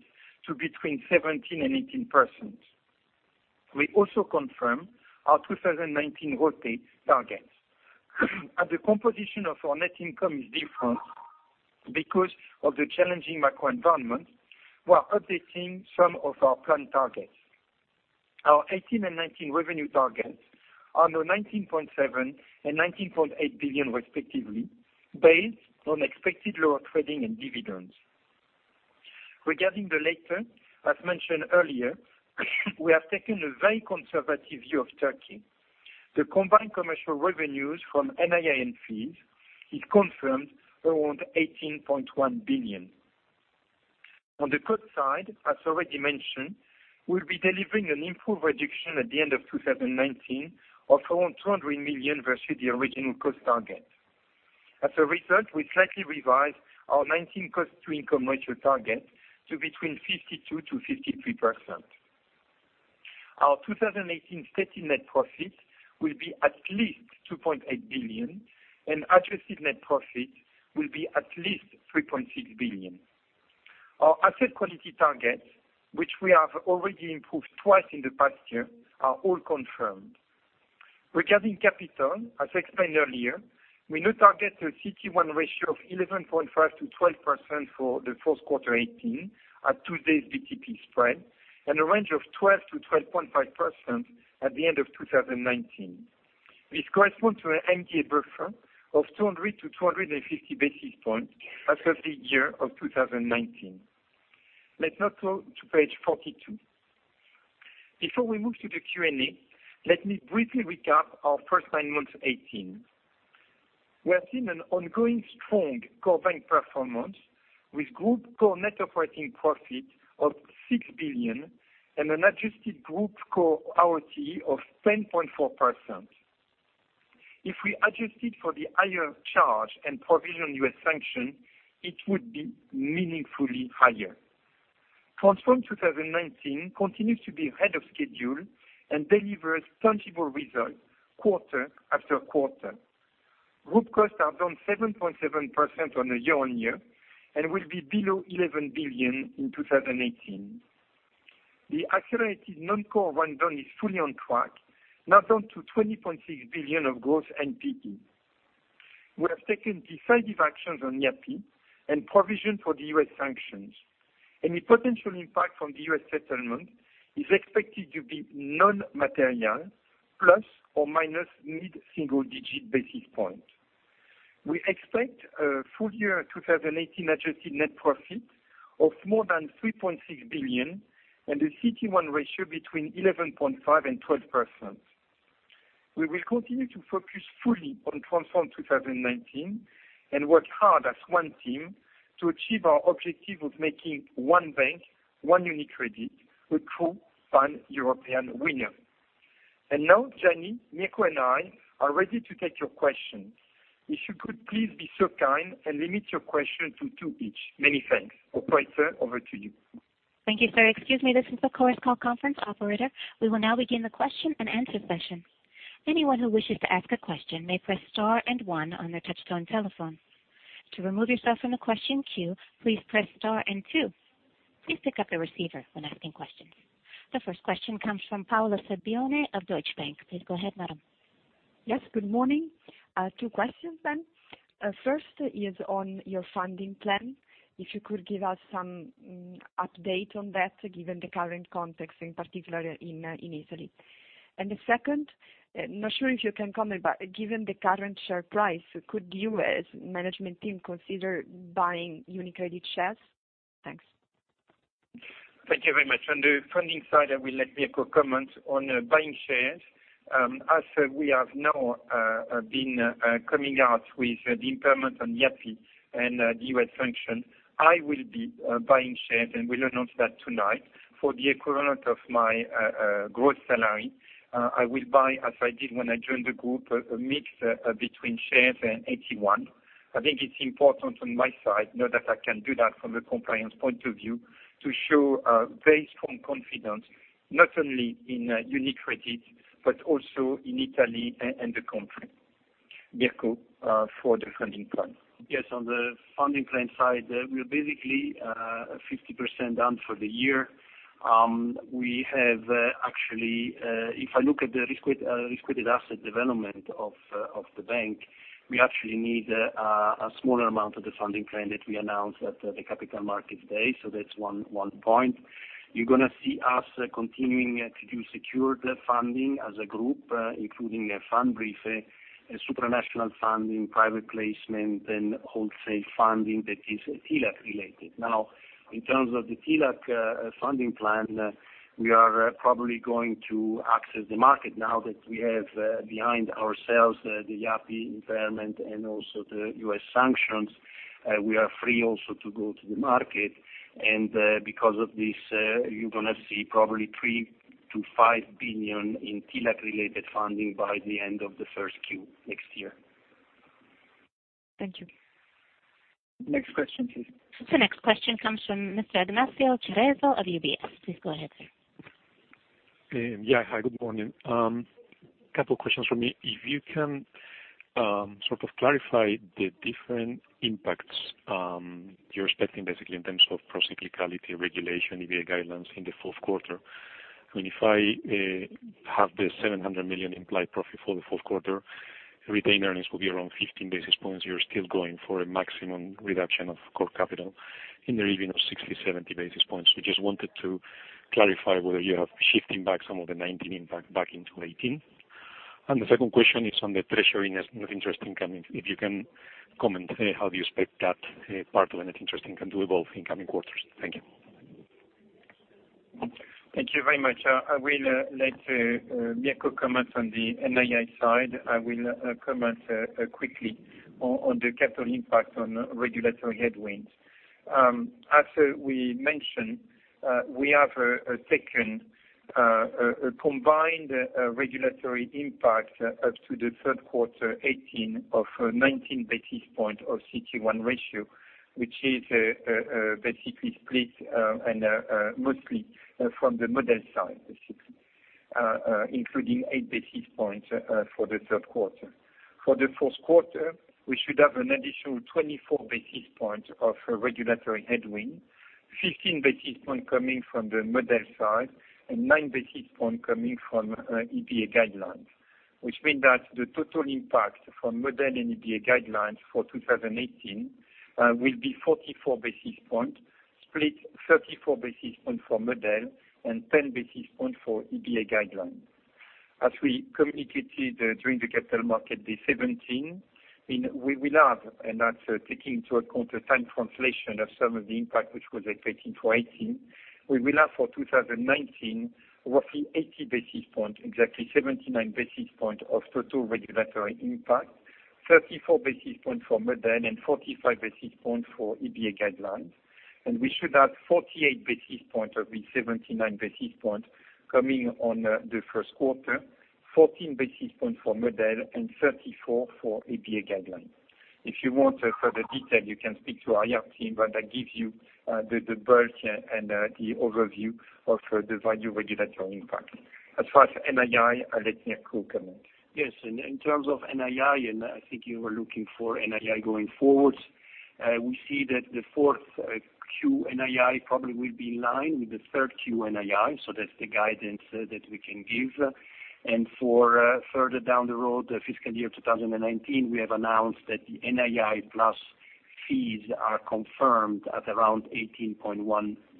to between 17% and 18%. We also confirm our 2019 ROTE targets. The composition of our net income is different because of the challenging macro environment, we are updating some of our planned targets. Our 2018 and 2019 revenue targets are now 19.7 billion and 19.8 billion respectively, based on expected lower trading and dividends. Regarding the latter, as mentioned earlier, we have taken a very conservative view of Turkey. The combined commercial revenues from NII and fees is confirmed around 18.1 billion. On the cost side, as already mentioned, we'll be delivering an improved reduction at the end of 2019 of around 200 million versus the original cost target. As a result, we slightly revised our 2019 cost to income ratio target to between 52% and 53%. Our 2018 stated net profit will be at least 2.8 billion, and attributed net profit will be at least 3.6 billion. Our asset quality targets, which we have already improved twice in the past year, are all confirmed. Regarding capital, as explained earlier, we now target a CT1 ratio of 11.5%-12% for the fourth quarter 2018 at today's BTP spread and a range of 12%-12.5% at the end of 2019. This corresponds to an MDA buffer of 200-250 basis points as of the year 2019. Let's now go to page 42. Before we move to the Q&A, let me briefly recap our first nine months 2018. We have seen an ongoing strong core bank performance with group core net operating profit of 6 billion and an adjusted group core ROTE of 10.4%. If we adjusted for the higher charge and provision U.S. sanctions, it would be meaningfully higher. Transform 2019 continues to be ahead of schedule and delivers tangible results quarter after quarter. Group costs are down 7.7% on a year-on-year and will be below 11 billion in 2018. The accelerated non-core rundown is fully on track, now down to 20.6 billion of gross NPE. We have taken decisive actions on Yapı Kredi and provision for the U.S. sanctions. Any potential impact from the U.S. settlement is expected to be non-material, plus or minus mid-single-digit basis points. We expect a full year 2018 adjusted net profit of more than 3.6 billion and a CET1 ratio between 11.5% and 12%. We will continue to focus fully on Transform 2019 and work hard as one team to achieve our objective of making one bank, one UniCredit Group, a true pan-European winner. Now, Gianni Franco Papa, Mirko Bianchi, and I are ready to take your questions. If you could please be so kind and limit your questions to two each. Many thanks. Operator, over to you. Thank you, sir. Excuse me, this is the Chorus Call conference operator. We will now begin the question-and-answer session. Anyone who wishes to ask a question may press star and one on their touch-tone telephone. To remove yourself from the question queue, please press star and two. Please pick up the receiver when asking questions. The first question comes from Paola Sabbione of Deutsche Bank. Please go ahead, madam. Yes, good morning. Two questions then. First is on your funding plan. If you could give us some update on that, given the current context, in particular in Italy. The second, not sure if you can comment, but given the current share price, could you, as management team, consider buying UniCredit Group shares? Thanks. Thank you very much. On the funding side, I will let Mirko Bianchi comment on buying shares. As we have now been coming out with the impairment on Yapı Kredi and the U.S. sanction, I will be buying shares, and we will announce that tonight for the equivalent of my gross salary. I will buy, as I did when I joined the group, a mix between shares and AT1. I think it is important on my side, now that I can do that from a compliance point of view, to show a very strong confidence, not only in UniCredit Group, but also in Italy and the country. Mirko Bianchi, for the funding plan. Yes, on the funding plan side, we are basically 50% done for the year. If I look at the risk-weighted asset development of the bank, we actually need a smaller amount of the funding plan that we announced at the Capital Markets Day. That is one point. You are going to see us continuing to do secured funding as a group, including a Pfandbrief, a supranational funding, private placement, and wholesale funding that is TLAC-related. Now, in terms of the TLAC funding plan, we are probably going to access the market now that we have behind ourselves the Yapı Kredi impairment and also the U.S. sanctions. We are free also to go to the market. Because of this, you are going to see probably 3 billion-5 billion in TLAC-related funding by the end of the first quarter next year. Thank you. Next question, please. The next question comes from Mr. Ignacio Cerezo of UBS. Please go ahead, sir. Yeah, hi, good morning. Couple questions from me. If you can sort of clarify the different impacts you're expecting, basically, in terms of pro-cyclicality regulation, EBA guidelines in the fourth quarter. If I have the 700 million implied profit for the fourth quarter, retained earnings will be around 15 basis points. You're still going for a maximum reduction of core capital in the region of 60-70 basis points. We just wanted to clarify whether you are shifting back some of the 2019 impact back into 2018. The second question is on the treasury Net Interest Income, if you can comment how you expect that part of Net Interest Income to evolve in coming quarters. Thank you. Thank you very much. I will let Mirko Bianchi comment on the NII side. I will comment quickly on the capital impact on regulatory headwinds. As we mentioned, we have taken a combined regulatory impact up to the third quarter 2018 of 19 basis points of CET1 ratio, which is split and mostly from the model side, basically, including eight basis points for the third quarter. For the fourth quarter, we should have an additional 24 basis points of regulatory headwind, 15 basis points coming from the model side and nine basis points coming from EBA guidelines, which means that the total impact from model and EBA guidelines for 2018 will be 44 basis points, split 34 basis points for model and 10 basis points for EBA guidelines. As we communicated during the Capital Markets Day 2017, we will have -- and that's taking into account the time translation of some of the impact, which was expected for 2018. We will have for 2019, roughly 80 basis points, exactly 79 basis points of total regulatory impact, 34 basis points for model, and 45 basis points for EBA guidelines. We should have 48 basis points of the 79 basis points coming on the first quarter, 14 basis points for model, and 34 for EBA guidelines. If you want further detail, you can speak to our IR team, that gives you the bulk and the overview of the value regulatory impact. As far as NII, I'll let Mirko Bianchi comment. Yes. In terms of NII, I think you were looking for NII going forwards, we see that the fourth quarter NII probably will be in line with the third quarter NII, that's the guidance that we can give. For further down the road, fiscal year 2019, we have announced that the NII plus fees are confirmed at around 18.1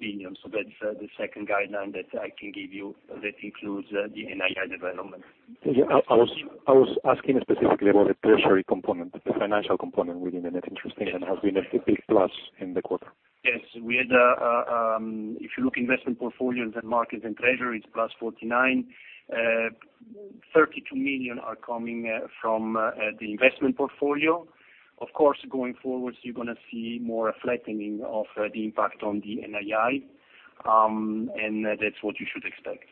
billion. That's the second guideline that I can give you that includes the NII development. I was asking specifically about the treasury component, the financial component within it, interesting, and has been a big plus in the quarter. Yes. If you look investment portfolios and markets and treasury, it's plus 49 million, 32 million are coming from the investment portfolio. Of course, going forwards, you're going to see more flattening of the impact on the NII. That's what you should expect.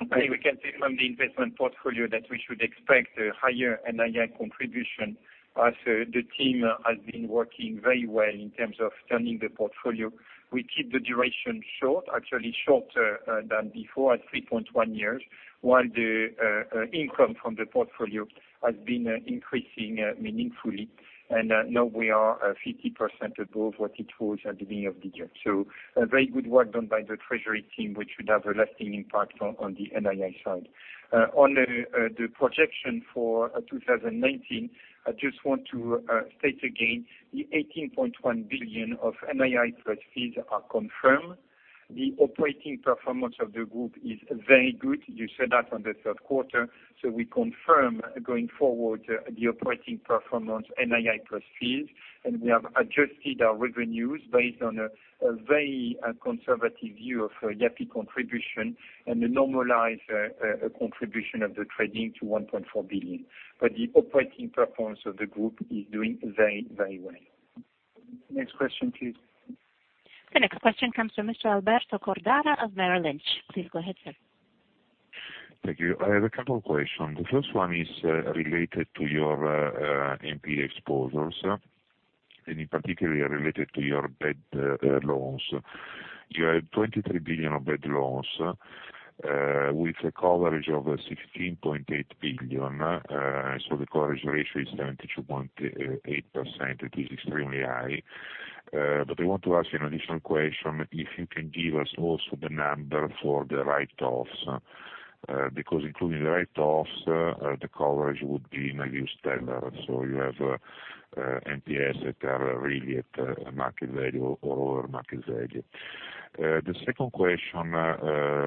I think we can say from the investment portfolio that we should expect a higher NII contribution, as the team has been working very well in terms of turning the portfolio. We keep the duration short, actually shorter than before at 3.1 years, while the income from the portfolio has been increasing meaningfully. Now we are 50% above what it was at the beginning of the year. Very good work done by the treasury team, which should have a lasting impact on the NII side. On the projection for 2019, I just want to state again, the 18.1 billion of NII plus fees are confirmed. The operating performance of the group is very good. You saw that on the third quarter. We confirm going forward the operating performance NII plus fees, we have adjusted our revenues based on a very conservative view of Yapı Kredi contribution and a normalized contribution of the trading to 1.4 billion. The operating performance of the group is doing very well. Next question, please. The next question comes from Mr. Alberto Cordara of Bank of America Merrill Lynch. Please go ahead, sir. Thank you. I have a couple of questions. The first one is related to your NPE exposures, and in particular related to your bad loans. You have 23 billion of bad loans, with a coverage of 16.8 billion. The coverage ratio is 72.8%, which is extremely high. I want to ask you an additional question, if you can give us also the number for the write-offs, because including the write-offs, the coverage would be in a new standard. You have NPAs that are really at market value or over market value. The second question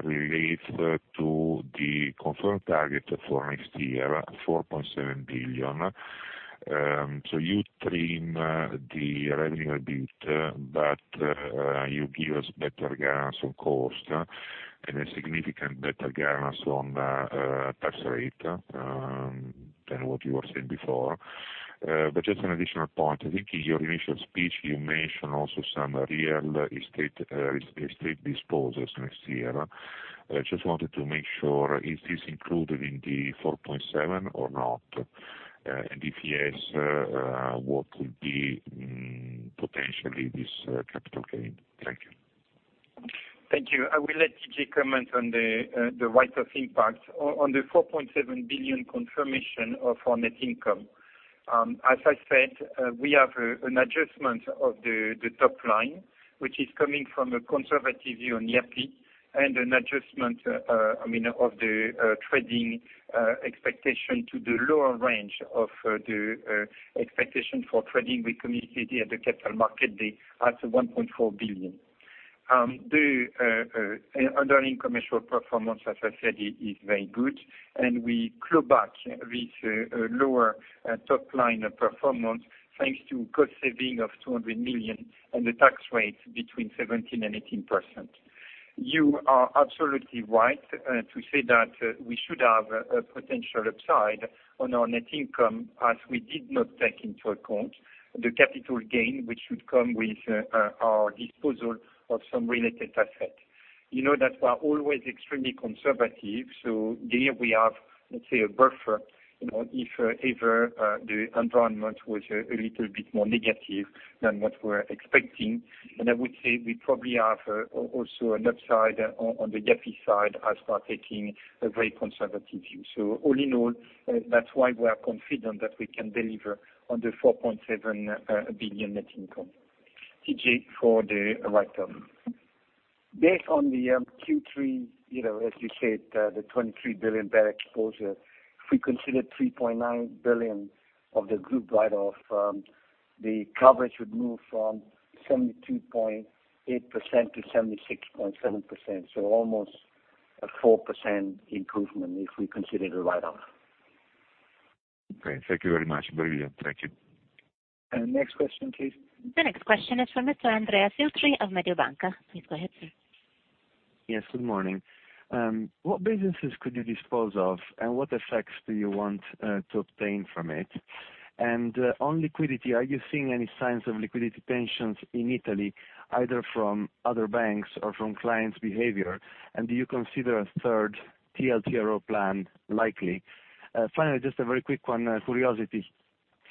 relates to the confirmed target for next year, 4.7 billion. You trim the revenue a bit, but you give us better guidance on cost and a significant better guidance on tax rate, than what you have said before. Just an additional point, I think in your initial speech, you mentioned also some real estate disposals next year. I just wanted to make sure, is this included in the 4.7 or not? If yes, what would be potentially this capital gain? Thank you. Thank you. I will let TJ Lim comment on the write-off impact on the 4.7 billion confirmation of our net income. As I said, we have an adjustment of the top line, which is coming from a conservative view on Yapı Kredi, and an adjustment of the trading expectation to the lower range of the expectation for trading we communicated at the Capital Markets Day at 1.4 billion. The underlying commercial performance, as I said, is very good, and we claw back this lower top-line performance thanks to cost saving of 200 million and the tax rate between 17% and 18%. You are absolutely right to say that we should have a potential upside on our net income, as we did not take into account the capital gain, which should come with our disposal of some related assets. You know that we are always extremely conservative. There we have, let's say, a buffer, if ever the environment was a little bit more negative than what we are expecting. I would say we probably have also an upside on the Yapı Kredi side as we are taking a very conservative view. All in all, that's why we are confident that we can deliver on the 4.7 billion net income. TJ Lim, for the write-off. Based on the Q3, as you said, the 23 billion bad exposure, if we consider 3.9 billion of the group write-off, the coverage would move from 72.8% to 76.7%, so almost a 4% improvement if we consider the write-off. Great. Thank you very much. [inaudible] Thank you. Next question, please. The next question is from Mr. Andrea Filtri of Mediobanca. Please go ahead, sir. Yes, good morning. What businesses could you dispose of, and what effects do you want to obtain from it? On liquidity, are you seeing any signs of liquidity tensions in Italy, either from other banks or from clients' behavior? Do you consider a third TLTRO plan likely? Finally, just a very quick one, curiosity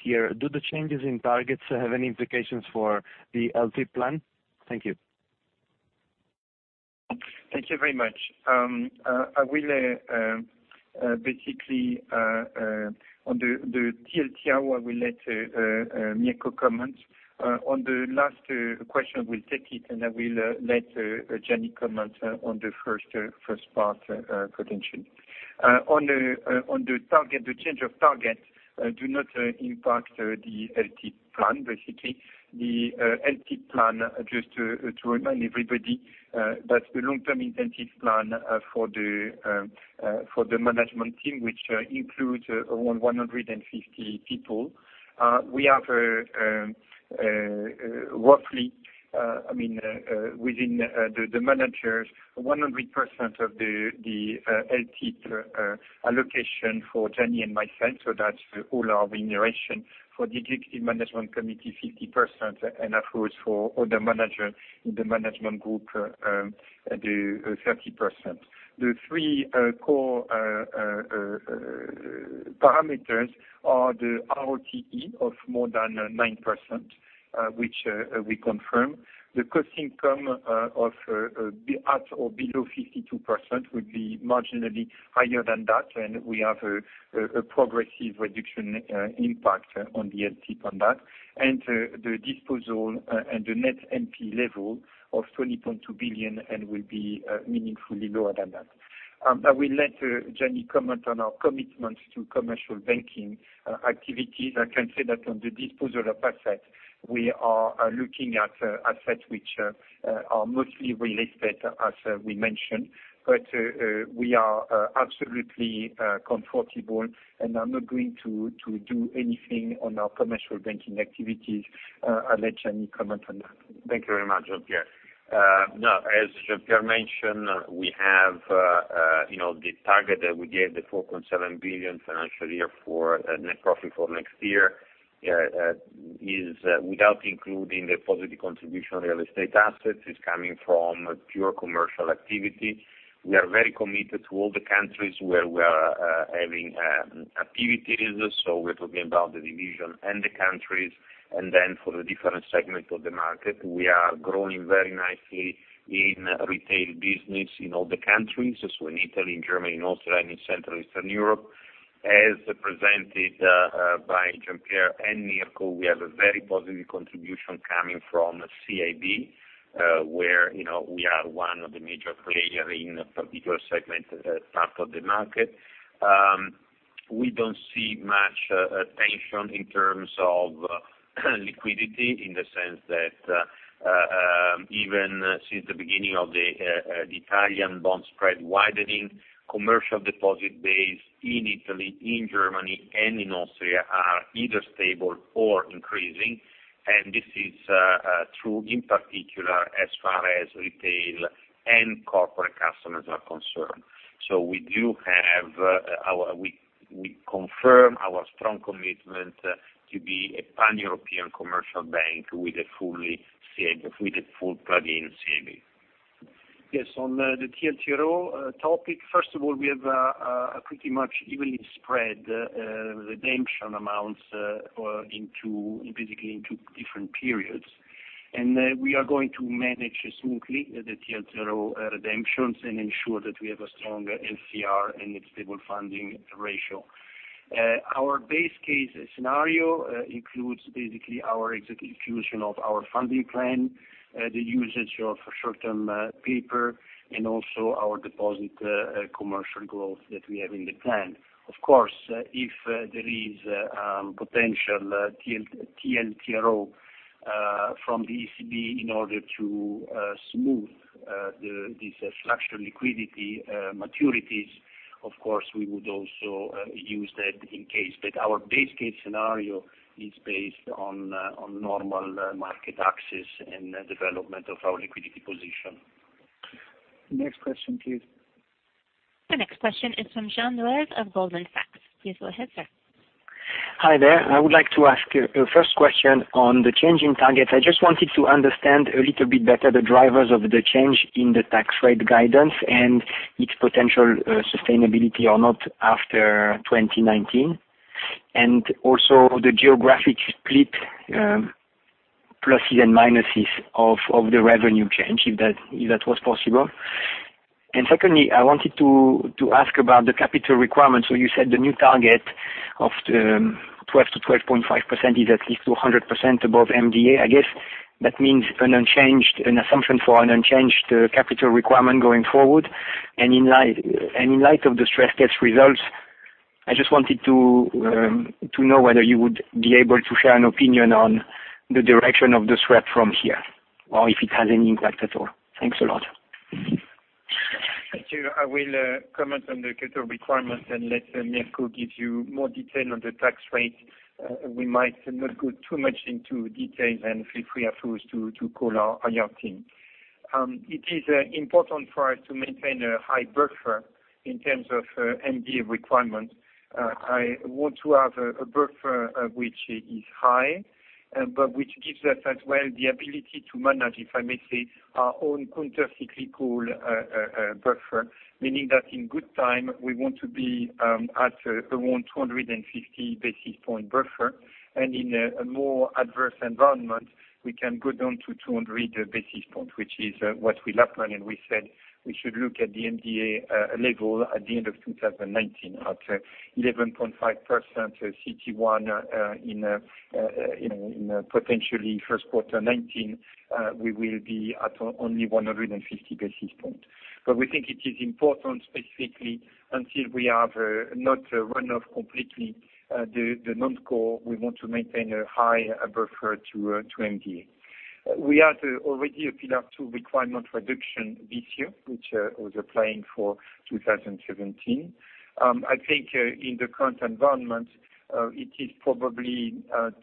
here. Do the changes in targets have any implications for the LTIP plan? Thank you. Thank you very much. On the TLTRO, I will let Mirko Bianchi comment. On the last question, we'll take it, and I will let Gianni Franco Papa comment on the first part potentially. On the change of target, do not impact the LTIP plan, basically. The LTIP plan, just to remind everybody, that's the long-term incentive plan for the management team, which includes around 150 people. We have roughly, within the managers, 100% of the LTIP allocation for Gianni Franco Papa and myself, so that's all our remuneration. For the executive management committee, 50%, and of course, for other managers in the management group, 30%. The three core parameters are the ROTE of more than 9%, which we confirm. The cost income of at or below 52% would be marginally higher than that, and we have a progressive reduction impact on the LTIP on that. The disposal and the net NPE level of 20.2 billion and will be meaningfully lower than that. I will let Gianni Franco Papa comment on our commitments to commercial banking activities. I can say that on the disposal of assets, we are looking at assets that are mostly real estate, as we mentioned. We are absolutely comfortable, and I'm not going to do anything on our commercial banking activities. I'll let Gianni Franco Papa comment on that. Thank you very much, Jean-Pierre Mustier. As Jean-Pierre Mustier mentioned, we have the target that we gave, the 4.7 billion financial year for net profit for next year, is without including the positive contribution of real estate assets. It's coming from pure commercial activity. We are very committed to all the countries where we are having activities, so we're talking about the division and the countries. For the different segments of the market, we are growing very nicely in retail business in all the countries, so in Italy, in Germany, in Austria, and in Central Eastern Europe. As presented by Jean-Pierre Mustier and Mirko Bianchi, we have a very positive contribution coming from CIB, where we are one of the major players in a particular segment part of the market. We don't see much tension in terms of liquidity in the sense that even since the beginning of the Italian bond spread widening, commercial deposit base in Italy, in Germany, and in Austria are either stable or increasing, and this is true, in particular, as far as retail and corporate customers are concerned. We confirm our strong commitment to be a pan-European commercial bank with a full plugin CIB. Yes. On the TLTRO topic, first of all, we have a pretty much evenly spread redemption amounts, basically in two different periods. We are going to manage smoothly the TLTRO redemptions and ensure that we have a strong LCR and a stable funding ratio. Our base case scenario includes basically our execution of our funding plan, the usage of short-term paper, and also our deposit commercial growth that we have in the plan. Of course, if there is potential TLTRO from the ECB in order to smooth these structural liquidity maturities, of course, we would also use that in case. Our base case scenario is based on normal market access and development of our liquidity position. Next question, please. The next question is from Jean-Francois Neuez of Goldman Sachs. Please go ahead, sir. Hi there. I would like to ask a first question on the change in targets. I just wanted to understand a little bit better the drivers of the change in the tax rate guidance and its potential sustainability or not after 2019. Also, the geographic split, plusses and minuses of the revenue change, if that was possible. Secondly, I wanted to ask about the capital requirements. You said the new target of 12% to 12.5% is at least 200% above MDA. I guess that means an assumption for an unchanged capital requirement going forward. In light of the stress test results, I just wanted to know whether you would be able to share an opinion on the direction of the spread from here, or if it has any impact at all. Thanks a lot. I will comment on the capital requirements and let Mirko Bianchi give you more detail on the tax rate. We might not go too much into details and feel free afterwards to call on your team. It is important for us to maintain a high buffer in terms of MDA requirements. I want to have a buffer which is high, but which gives us as well the ability to manage, if I may say, our own countercyclical buffer, meaning that in good time, we want to be at around 250 basis point buffer. In a more adverse environment, we can go down to 200 basis points, which is what we planned, and we said we should look at the MDA level at the end of 2019 at 11.5% CET1 in potentially first quarter 2019, we will be at only 150 basis points. We think it is important, specifically, until we have not run off completely the non-core, we want to maintain a high buffer to MDA. We had already a Pillar 2 requirement reduction this year, which was applying for 2017. I think in the current environment, it is probably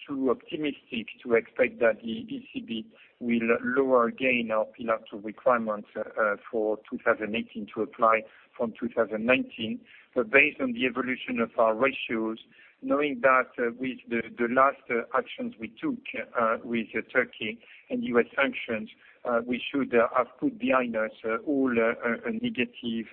too optimistic to expect that the ECB will lower again our Pillar 2 requirements for 2018 to apply from 2019. Based on the evolution of our ratios, knowing that with the last actions we took with Turkey and U.S. sanctions, we should have put behind us all negative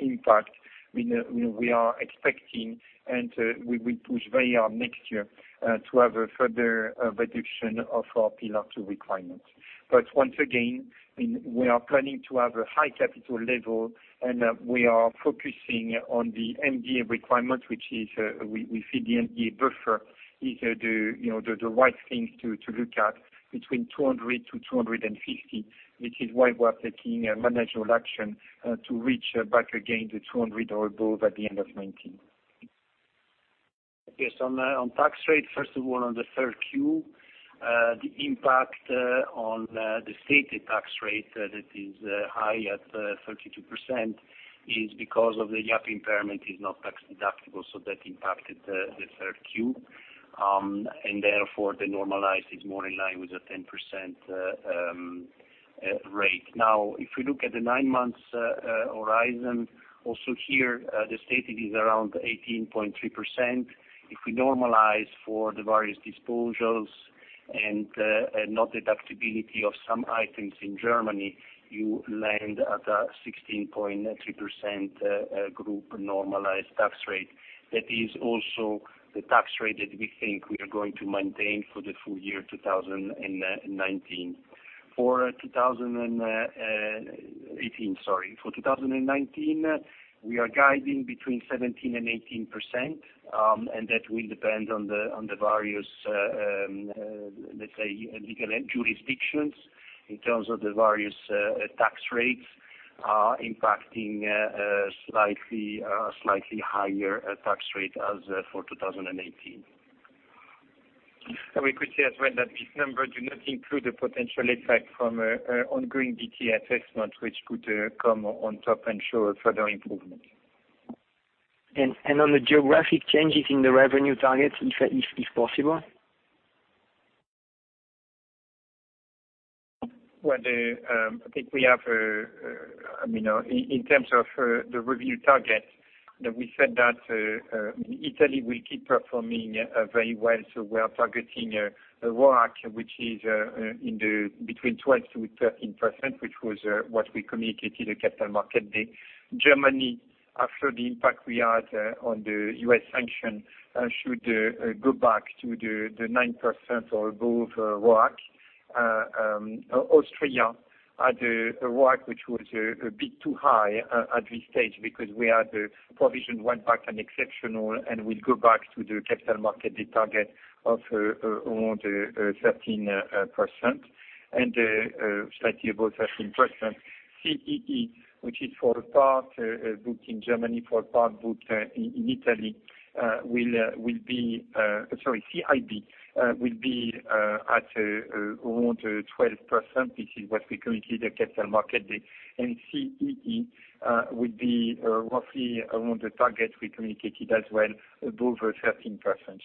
impact. We are expecting, and we will push very hard next year, to have a further reduction of our Pillar 2 requirements. Once again, we are planning to have a high capital level, and we are focusing on the MDA requirement, which is, we see the MDA buffer is the right thing to look at between 200-250, which is why we are taking a managerial action to reach back again to 200 or above at the end of 2019. Yes. On tax rate, first of all, on the third quarter, the impact on the stated tax rate that is high at 32% is because of the Yapı Kredi impairment is not tax-deductible, that impacted the third quarter. Therefore, the normalized is more in line with the 10% rate. Now, if we look at the nine months horizon, also here, the stated is around 18.3%. If we normalize for the various disposals and not deductibility of some items in Germany, you land at a 16.3% group-normalized tax rate. That is also the tax rate that we think we are going to maintain for the full year 2019. For 2019, we are guiding between 17% and 18%, and that will depend on the various, let's say, legal jurisdictions in terms of the various tax rates impacting a slightly higher tax rate as for 2018. We could say as well that these numbers do not include the potential effect from ongoing DTA assessment, which could come on top and show a further improvement. On the geographic changes in the revenue targets, if possible. I think we have, in terms of the revenue target, that we said that Italy will keep performing very well. We are targeting ROAC, which is between 12%-13%, which was what we communicated at Capital Markets Day. Germany, after the impact we had on the U.S. sanction, should go back to the 9% or above ROAC. Austria had a ROAC which was a bit too high at this stage because we had a provision one-time exceptional, we go back to the Capital Markets Day target of around 13% and slightly above 13%. CIB, which is for part booked in Germany, for part booked in Italy, will be at around 12%, this is what we communicated at Capital Markets Day, CEE will be roughly around the target we communicated as well above 13%.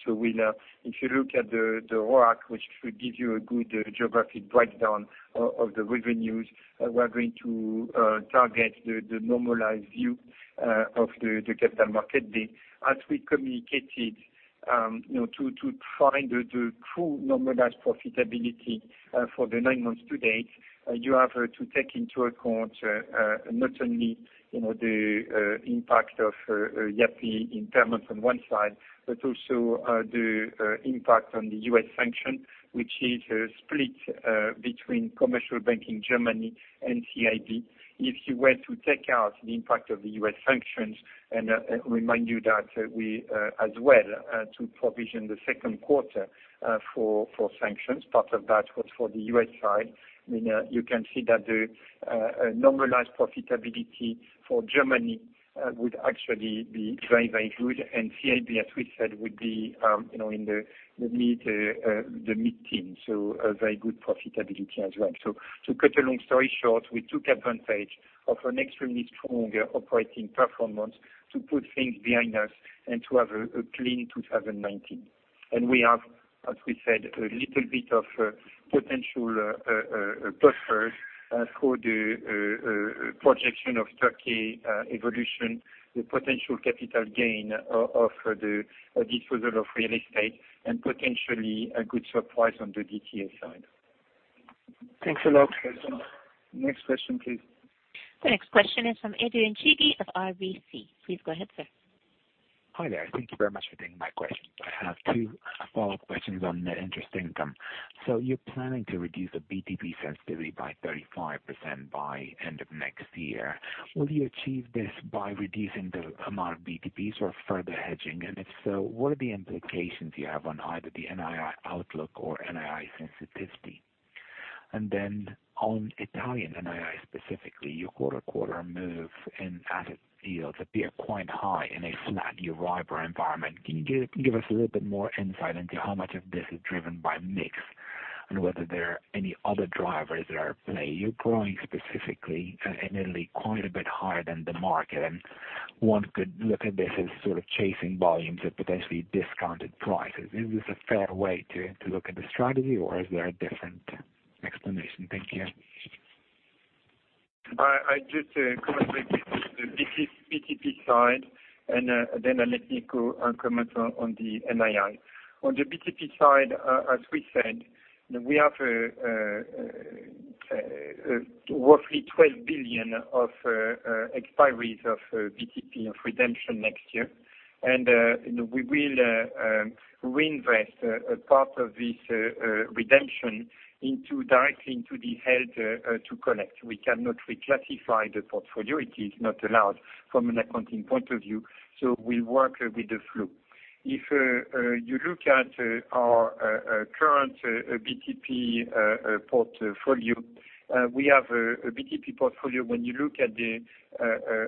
If you look at the ROAC, which should give you a good geographic breakdown of the revenues, we are going to target the normalized view of the Capital Market Day. As we communicated, to find the true normalized profitability for the nine months to date, you have to take into account not only the impact of Yapı Kredi impairment on one side, but also the impact on the U.S. sanction, which is split between Commercial Banking Germany and CIB. If you were to take out the impact of the U.S. sanctions, and remind you that we as well to provision the second quarter for sanctions, part of that was for the U.S. side, you can see that the normalized profitability for Germany would actually be very good, and CIB, as we said, would be in the mid-teen, so a very good profitability as well. To cut a long story short, we took advantage of an extremely strong operating performance to put things behind us and to have a clean 2019. We have, as we said, a little bit of potential buffer for the projection of Turkey evolution, the potential capital gain of the disposal of real estate, and potentially a good surprise on the DTA side. Thanks a lot. Next question, please. The next question is from Adrian Cighi of RBC. Please go ahead, sir. Hi there. Thank you very much for taking my questions. I have two follow-up questions on net interest income. You're planning to reduce the BTP sensitivity by 35% by end of next year. Will you achieve this by reducing the amount of BTPs or further hedging? If so, what are the implications you have on either the NII outlook or NII sensitivity? Then, on Italian NII specifically, your quarter-to-quarter move in asset yields appear quite high in a flat EURIBOR environment. Can you give us a little bit more insight into how much of this is driven by mix, and whether there are any other drivers that are at play? You're growing specifically in Italy quite a bit higher than the market, and one could look at this as sort of chasing volumes at potentially discounted prices. Is this a fair way to look at the strategy, or is there a different explanation? Thank you. I just comment briefly on the BTP side, then I'll let Mirko Bianchi comment on the NII. On the BTP side, as we said, we have roughly 12 billion of expiries of BTP of redemption next year. We will reinvest a part of this redemption directly into the held to collect. We cannot reclassify the portfolio, it is not allowed from an accounting point of view, we work with the flow. If you look at our current BTP portfolio, we have a BTP portfolio when you look at the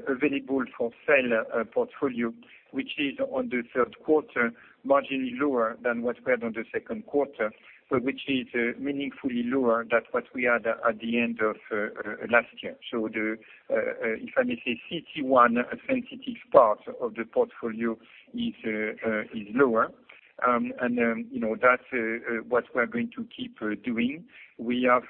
available-for-sale portfolio, which is on the third quarter marginally lower than what we had on the second quarter, but which is meaningfully lower than what we had at the end of last year. If I may say, CT1, a sensitive part of the portfolio is lower. That's what we are going to keep doing. We have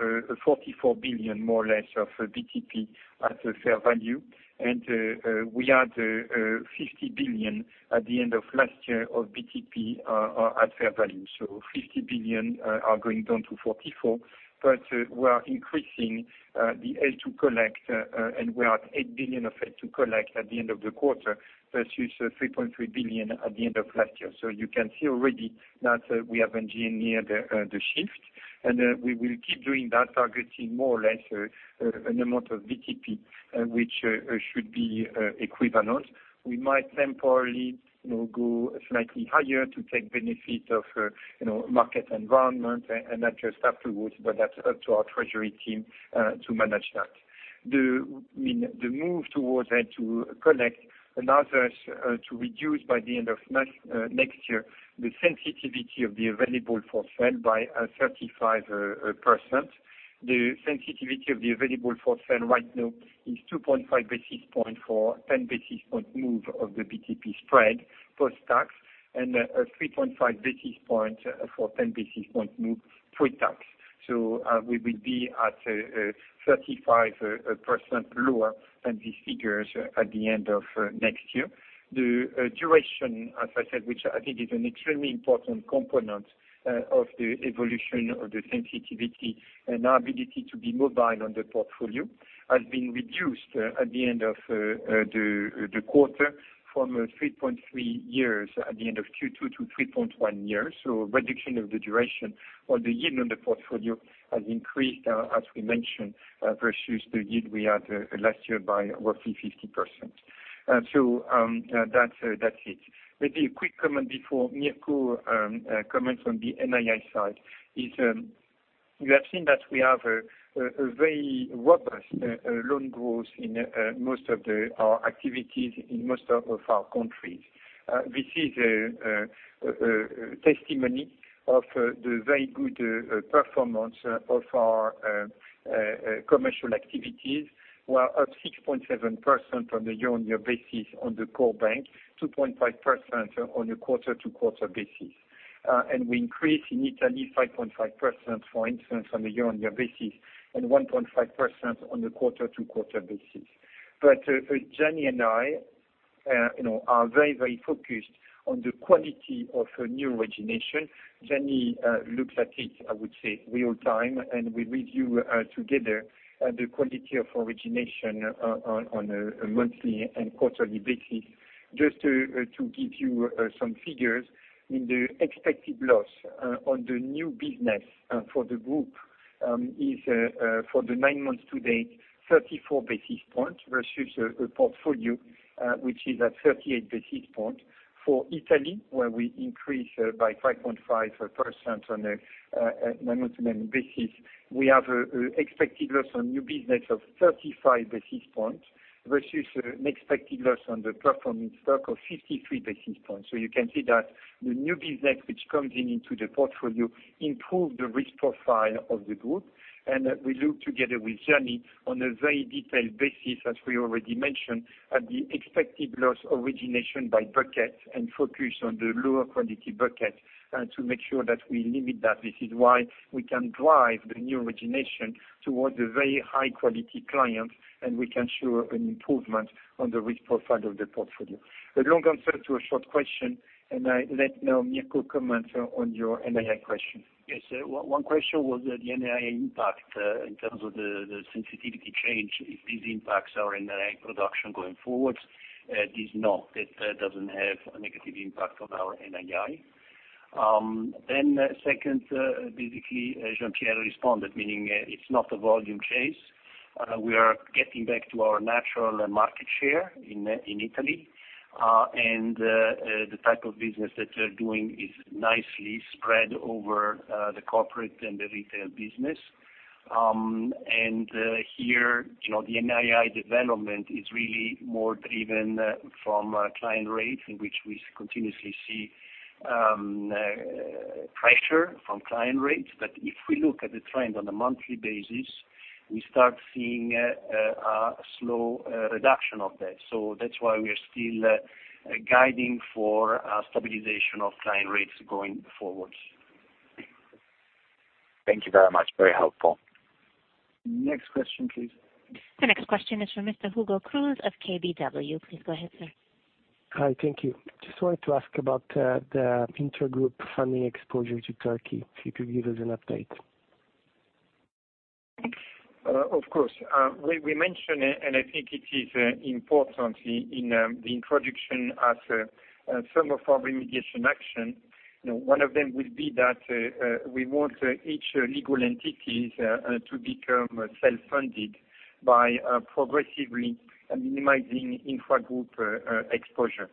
44 billion, more or less, of BTP at fair value. We had 50 billion at the end of last year of BTP at fair value. 50 billion are going down to 44, but we are increasing the H2 collect. We are at 8 billion of H2 collect at the end of the quarter versus 3.3 billion at the end of last year. You can see already that we have engineered the shift. We will keep doing that, targeting more or less an amount of BTP which should be equivalent. We might temporarily go slightly higher to take benefit of market environment and adjust afterwards, that's up to our treasury team to manage that. The move towards H2 collect allows us to reduce by the end of next year the sensitivity of the available-for-sale by 35%. The sensitivity of the available-for-sale right now is 2.5 basis points for 10 basis points move of the BTP spread post-tax, and 3.5 basis points for 10 basis points move pre-tax. We will be at 35% lower than these figures at the end of next year. The duration, as I said, which I think is an extremely important component of the evolution of the sensitivity and our ability to be mobile on the portfolio, has been reduced at the end of the quarter from 3.3 years at the end of Q2 to 3.1 years. Reduction of the duration or the yield on the portfolio has increased, as we mentioned, versus the yield we had last year by roughly 50%. That's it. Maybe a quick comment before Mirko Bianchi comments on the NII side is, you have seen that we have a very robust loan growth in most of our activities in most of our countries. This is a testimony of the very good performance of our commercial activities. We are up 6.7% on a year-on-year basis on the core bank, 2.5% on a quarter-to-quarter basis. We increased in Italy 5.5%, for instance, on a year-on-year basis and 1.5% on a quarter-to-quarter basis. Gianni Franco Papa and I are very focused on the quality of new origination. Gianni Franco Papa looks at it, I would say, real time, and we review together the quality of origination on a monthly and quarterly basis. Just to give you some figures, in the expected loss on the new business for the group is for the nine months to date, 34 basis points versus a portfolio which is at 38 basis points. For Italy, where we increase by 5.5% on a [normal-to-normal] basis, we have an expected loss on new business of 35 basis points versus an expected loss on the performing stock of 53 basis points. You can see that the new business which comes into the portfolio improves the risk profile of the group, and we look together with Gianni Franco Papa on a very detailed basis, as we already mentioned, at the expected loss origination by bucket and focus on the lower quality bucket to make sure that we limit that. This is why we can drive the new origination towards a very high-quality client, and we can show an improvement on the risk profile of the portfolio. A long answer to a short question, and I let now Mirko Bianchi comment on your NII question. Yes. One question was the NII impact in terms of the sensitivity change, if this impacts our NII production going forward. It does not. It doesn't have a negative impact on our NII. Second, basically, as Jean-Pierre Mustier responded, meaning it's not a volume chase. We are getting back to our natural market share in Italy, and the type of business that we're doing is nicely spread over the corporate and the retail business. Here, the NII development is really more driven from client rates, in which we continuously see pressure from client rates, but if we look at the trend on a monthly basis, we start seeing a slow reduction of that. That's why we are still guiding for stabilization of client rates going forward. Thank you very much. Very helpful. Next question, please. The next question is from Mr. Hugo Cruz of KBW. Please go ahead, sir. Hi, thank you. Just wanted to ask about the intergroup funding exposure to Turkey, if you could give us an update. Of course. We mentioned, and I think it is important in the introduction as some of our remediation action, one of them will be that we want each legal entity to become self-funded by progressively minimizing intragroup exposure.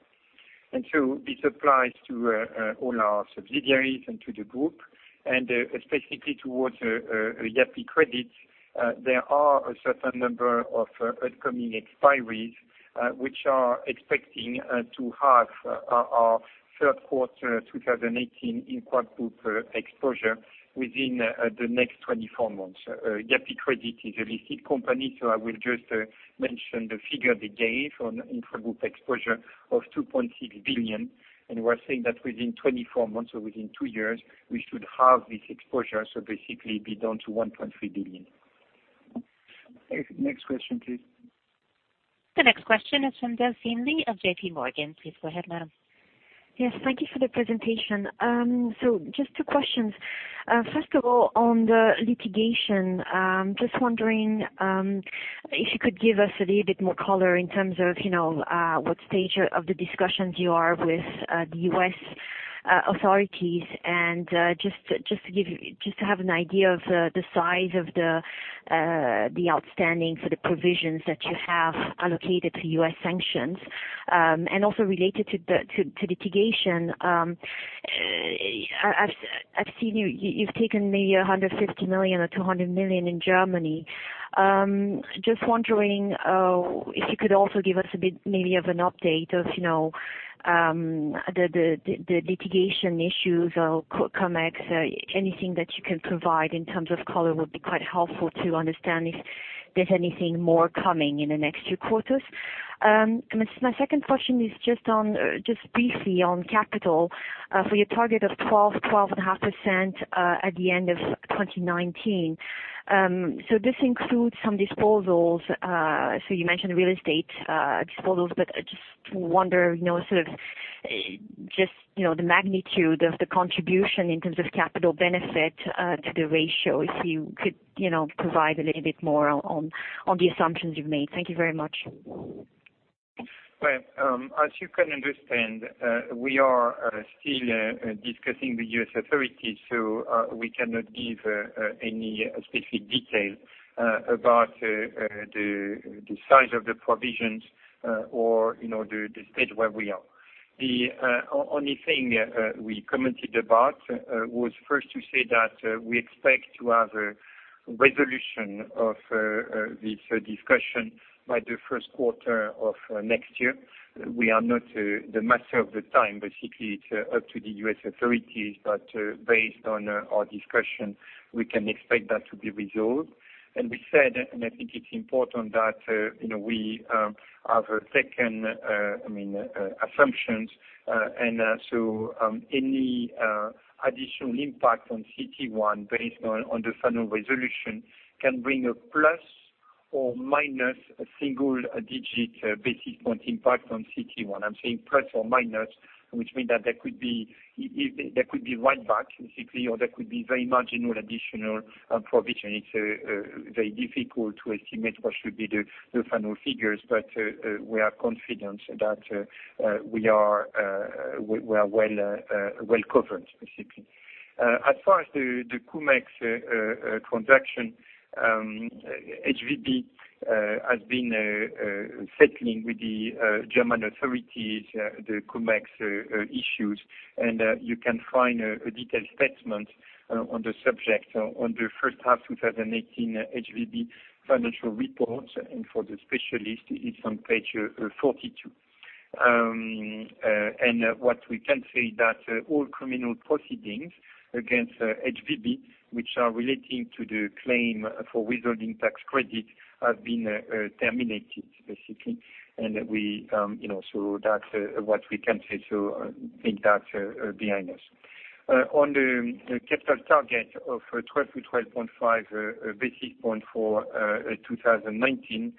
This applies to all our subsidiaries and to the group, and specifically towards Yapı Kredi, there are a certain number of upcoming expiries which are expecting to have our third quarter 2018 intragroup exposure within the next 24 months. Yapı Kredi is a listed company, so I will just mention the figure they gave on intragroup exposure of 2.6 billion, and we are saying that within 24 months or within two years, we should have this exposure basically be down to 1.3 billion. Next question, please. The next question is from Delphine Lee of JPMorgan. Please go ahead, madam. Yes, thank you for the presentation. Just two questions. First of all, on the litigation, just wondering if you could give us a little bit more color in terms of what stage of the discussions you are with the U.S. authorities and just to have an idea of the size of the outstanding for the provisions that you have allocated to U.S. sanctions. Also related to litigation, I've seen you've taken maybe 150 million or 200 million in Germany. Just wondering if you could also give us a bit maybe of an update of the litigation issues or Cum-Ex. Anything that you can provide in terms of color would be quite helpful to understand if there's anything more coming in the next two quarters. My second question is just briefly on capital for your target of 12%-12.5% at the end of 2019. This includes some disposals. You mentioned real estate disposals, I just wonder sort of the magnitude of the contribution in terms of capital benefit to the ratio, if you could provide a little bit more on the assumptions you've made. Thank you very much. Right. As you can understand, we are still discussing the U.S. authorities, so we cannot give any specific detail about the size of the provisions or the stage where we are. The only thing we commented about was first to say that we expect to have a resolution of this discussion by the first quarter of next year. We are not the master of the time. It's up to the U.S. authorities, but based on our discussion, we can expect that to be resolved. We said, I think it's important that we have taken assumptions, any additional impact on CET1 based on the final resolution can bring a plus or minus a single-digit basis point impact on CET1. I'm saying plus or minus, which means that there could be write-back, or there could be very marginal additional provision. It's very difficult to estimate what should be the final figures, but we are confident that we are well-covered basically. As far as the Cum-Ex transaction, HVB has been settling with the German authorities the Cum-Ex issues, and you can find a detailed statement on the subject on the first half 2018 HVB financial report, for the specialist, it's on page 42. What we can say is that all criminal proceedings against HVB, which are relating to the claim for withholding tax credit, have been terminated. That's what we can say, I think that's behind us. On the capital target of 12-12.5 basis points for 2019,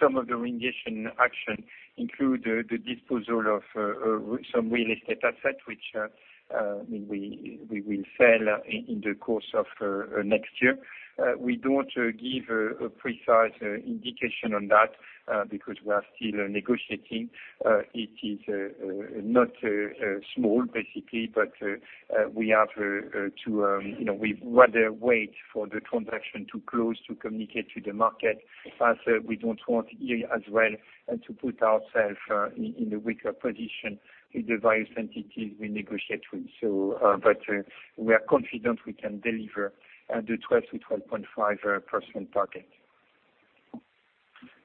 some of the remediation action include the disposal of some real estate assets, which we will sell in the course of next year. We don't give a precise indication on that because we are still negotiating. It is not small, basically, but we'd rather wait for the transaction to close to communicate to the market, as we don't want as well to put ourselves in a weaker position with the various entities we negotiate with. We are confident we can deliver the 12%-12.5% target.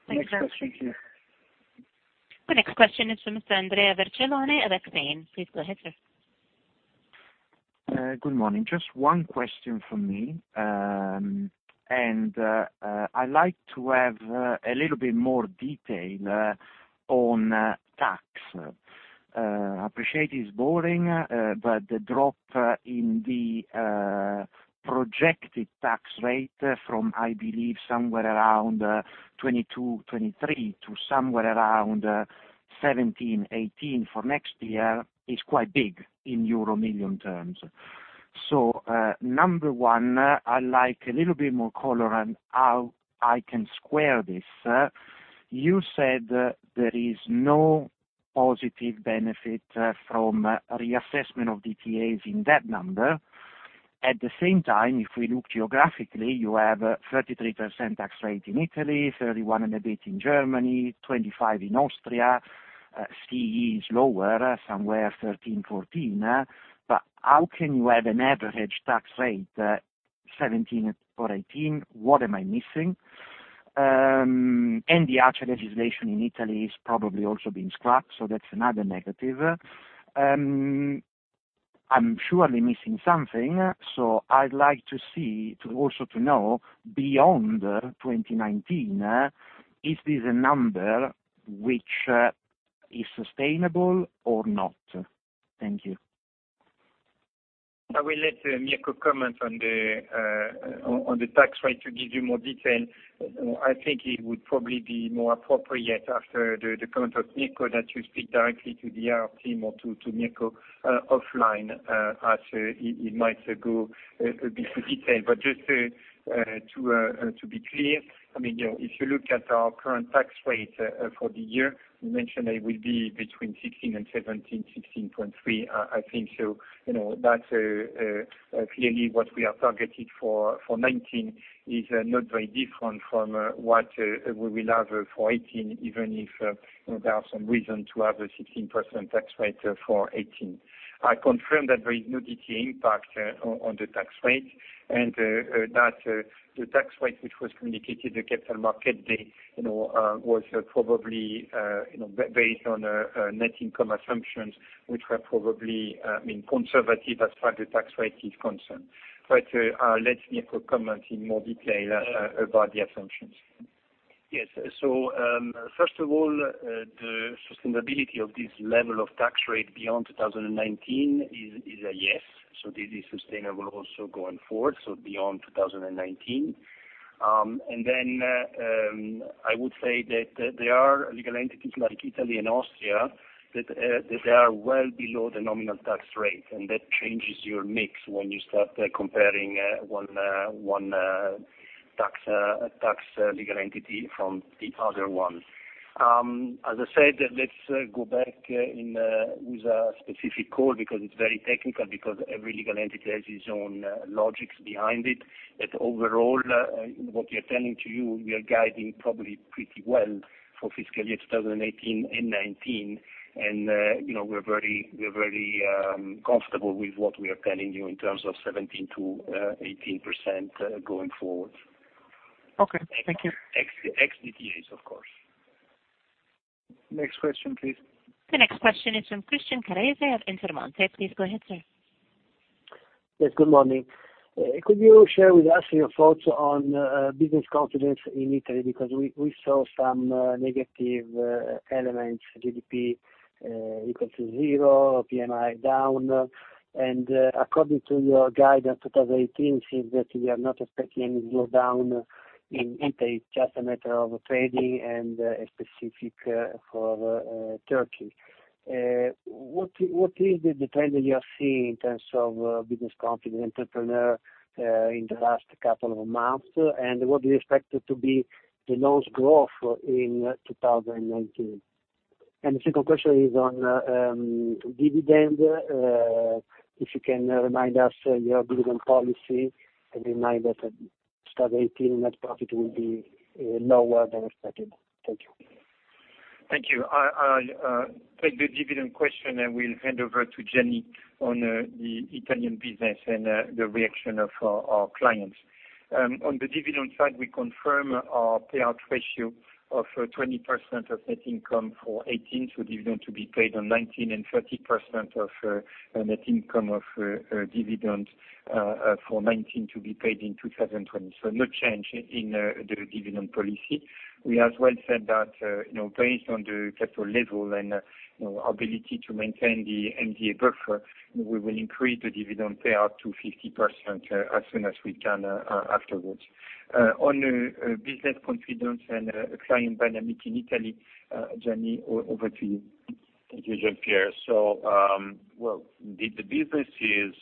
Thanks, Jean-Pierre Mustier. Next question. The next question is from Mr. Andrea Vercellone of Exane. Please go ahead, sir. Good morning. Just one question from me. I like to have a little bit more detail on tax. I appreciate it's boring, but the drop in the projected tax rate from, I believe, somewhere around 22, 23 to somewhere around 17, 18 for next year is quite big in euro million terms. Number one, I like a little bit more color on how I can square this. You said there is no positive benefit from a reassessment of DTAs in that number. At the same time, if we look geographically, you have 33% tax rate in Italy, 31% and a bit in Germany, 25% in Austria. CEE is lower, somewhere 13%, 14%. But how can you have an average tax rate 17% or 18%? What am I missing? The ACE legislation in Italy is probably also being scrapped, so that's another negative. I'm surely missing something. I'd like to see, also to know, beyond 2019, is this a number which is sustainable or not? Thank you. I will let Mirko Bianchi comment on the tax rate to give you more detail. I think it would probably be more appropriate after the comment of Mirko Bianchi that you speak directly to the IR team or to Mirko Bianchi offline, as he might go a bit in detail. Just to be clear, if you look at our current tax rate for the year, we mentioned it will be between 16% and 17%, 16.3%, I think. That's clearly what we are targeted for 2019 is not very different from what we will have for 2018, even if there are some reason to have a 16% tax rate for 2018. I confirm that there is no DTA impact on the tax rate, and that the tax rate, which was communicated at Capital Markets Day, was probably based on net income assumptions, which were probably conservative as far the tax rate is concerned. Let Mirko Bianchi comment in more detail about the assumptions. Yes. First of all, the sustainability of this level of tax rate beyond 2019 is a yes. This is sustainable also going forward, beyond 2019. I would say that there are legal entities like Italy and Austria that are well below the nominal tax rate, and that changes your mix when you start comparing one tax legal entity from the other one. As I said, let's go back with a specific call because it's very technical, because every legal entity has its own logics behind it. Overall, what we are telling to you, we are guiding probably pretty well for fiscal year 2018 and 2019. We're very comfortable with what we are telling you in terms of 17%-18% going forward. Okay. Thank you. Ex DTAs, of course. Next question, please. The next question is from Christian Carrese of Intermonte. Please go ahead, sir. Yes. Good morning. Could you share with us your thoughts on business confidence in Italy, because we saw some negative elements, GDP equal to zero, PMI down. According to your guidance, 2018 seems that you are not expecting any slowdown in Italy, it's just a matter of trading and specific for Turkey. What is the trend that you are seeing in terms of business confidence entrepreneur in the last couple of months, and what do you expect to be the loans growth in 2019? The second question is on dividend. If you can remind us your dividend policy and remind us that 2018 net profit will be lower than expected. Thank you. Thank you. I take the dividend question, and will hand over to Gianni Franco Papa on the Italian business and the reaction of our clients. On the dividend side, we confirm our payout ratio of 20% of net income for 2018, so dividend to be paid on 2019, and 30% of net income of dividend for 2019 to be paid in 2020. No change in the dividend policy. We as well said that, based on the capital level and ability to maintain the MDA buffer, we will increase the dividend payout to 50% as soon as we can afterwards. On business confidence and client dynamic in Italy, Gianni Franco Papa, over to you. Thank you, Jean-Pierre Mustier. Well, the business is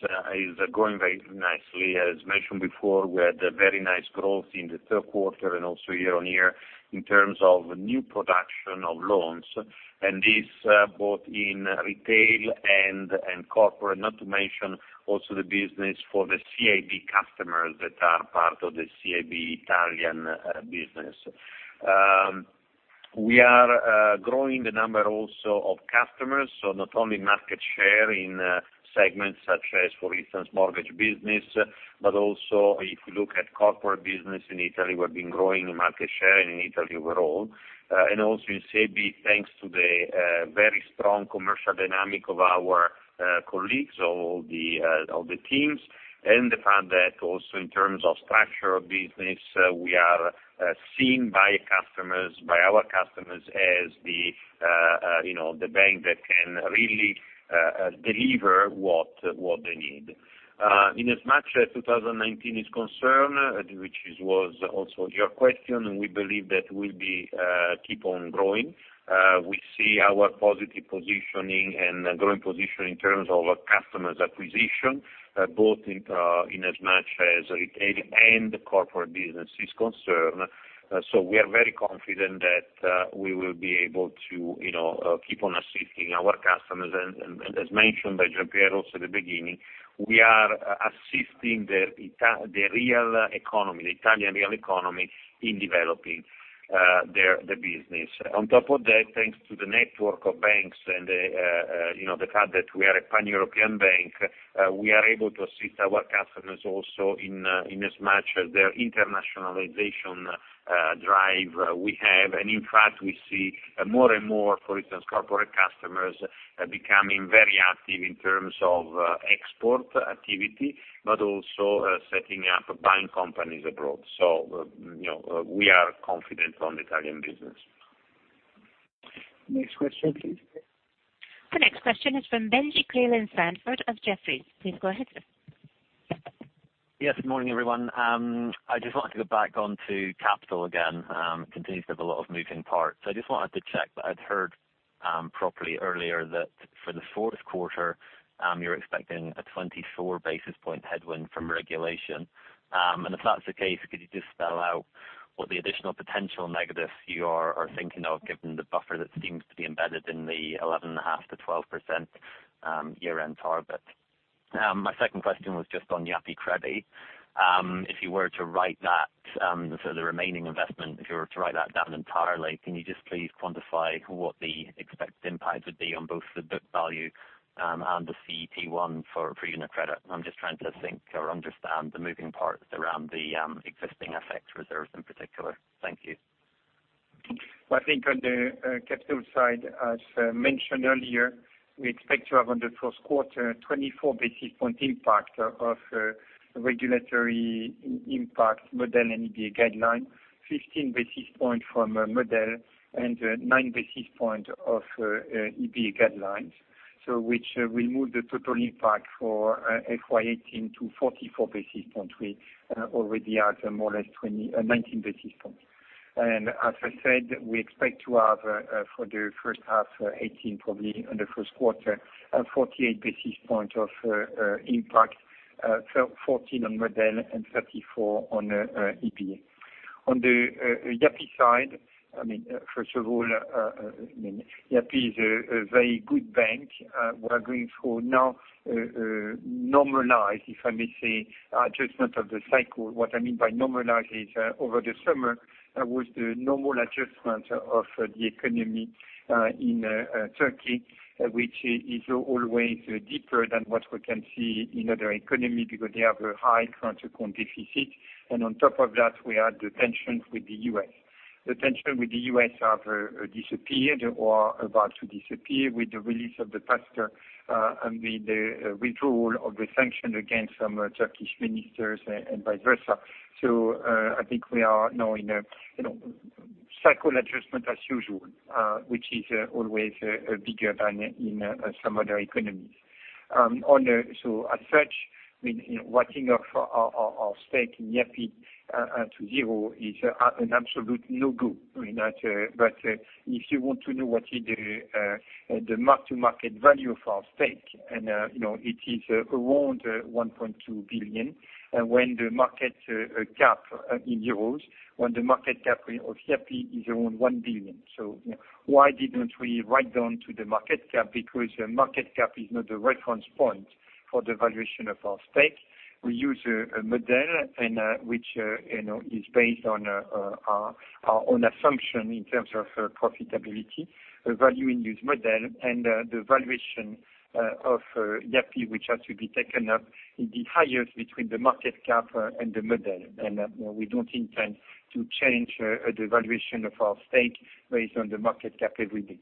going very nicely. As mentioned before, we had a very nice growth in the third quarter, and also year-on-year in terms of new production of loans. This both in retail and corporate, not to mention also the business for the CIB customers that are part of the CIB Italian business. We are growing the number also of customers, so not only market share in segments such as, for instance, mortgage business, but also if you look at corporate business in Italy, we've been growing market share in Italy overall. Also in CIB, thanks to the very strong commercial dynamic of our colleagues, all the teams, and the fact that also in terms of structural business, we are seen by our customers as the bank that can really deliver what they need. In as much as 2019 is concerned, which was also your question, we believe that we'll keep on growing. We see our positive positioning and growing position in terms of customers acquisition, both in as much as retail and corporate business is concerned. We are very confident that we will be able to keep on assisting our customers. As mentioned by Jean-Pierre Mustier also at the beginning, we are assisting the Italian real economy in developing the business. On top of that, thanks to the network of banks and the fact that we are a pan-European bank, we are able to assist our customers also in as much as their internationalization drive we have. In fact, we see more and more, for instance, corporate customers becoming very active in terms of export activity, but also setting up buying companies abroad. We are confident on Italian business. Next question, please. The next question is from Benjie Creelan-Sandford of Jefferies. Please go ahead, sir. Yes, good morning, everyone. I'd just like to go back onto capital again. It continues to have a lot of moving parts. I just wanted to check that I'd heard properly earlier that for the fourth quarter, you're expecting a 24 basis point headwind from regulation. If that's the case, could you just spell out what the additional potential negatives you are thinking of, given the buffer that seems to be embedded in the 11.5%-12% year-end target? My second question was just on Yapı Kredi. If you were to write that, the remaining investment, if you were to write that down entirely, can you just please quantify what the expected impact would be on both the book value and the CET1 for UniCredit Group? I'm just trying to think or understand the moving parts around the existing affect reserves in particular. Thank you. Well, I think on the capital side, as mentioned earlier, we expect to have in the first quarter a 24 basis point impact of regulatory impact model and EBA guideline, 15 basis point from model, and 9 basis point of EBA guidelines. Which will move the total impact for FY 2018 to 44 basis point. We already are at more or less 19 basis point. As I said, we expect to have, for the first half 2018, probably in the first quarter, 48 basis point of impact, 14 on model, and 34 on EBA. On the Yapı Kredi side, first of all, Yapı Kredi is a very good bank. We are going through now normalize, if I may say, adjustment of the cycle. What I mean by normalize is, over the summer was the normal adjustment of the economy in Turkey, which is always deeper than what we can see in other economy because they have a high current account deficit. On top of that, we had the tensions with the U.S. The tension with the U.S. have disappeared or are about to disappear with the release of the pastor, and with the withdrawal of the sanctions against some Turkish ministers and vice versa. I think we are now in a cycle adjustment as usual, which is always bigger than in some other economies. As such, writing off our stake in Yapı Kredi to zero is an absolute no-go. If you want to know what is the mark-to-market value of our stake, it is around 1.2 billion, when the market cap in euro, when the market cap of Yapı Kredi is around 1 billion. Why didn't we write down to the market cap? Because the market cap is not a reference point for the valuation of our stake. We use a model, which is based on our own assumption in terms of profitability, a value in use model, and the valuation of Yapı Kredi, which has to be taken up, is the highest between the market cap and the model. We don't intend to change the valuation of our stake based on the market cap every day.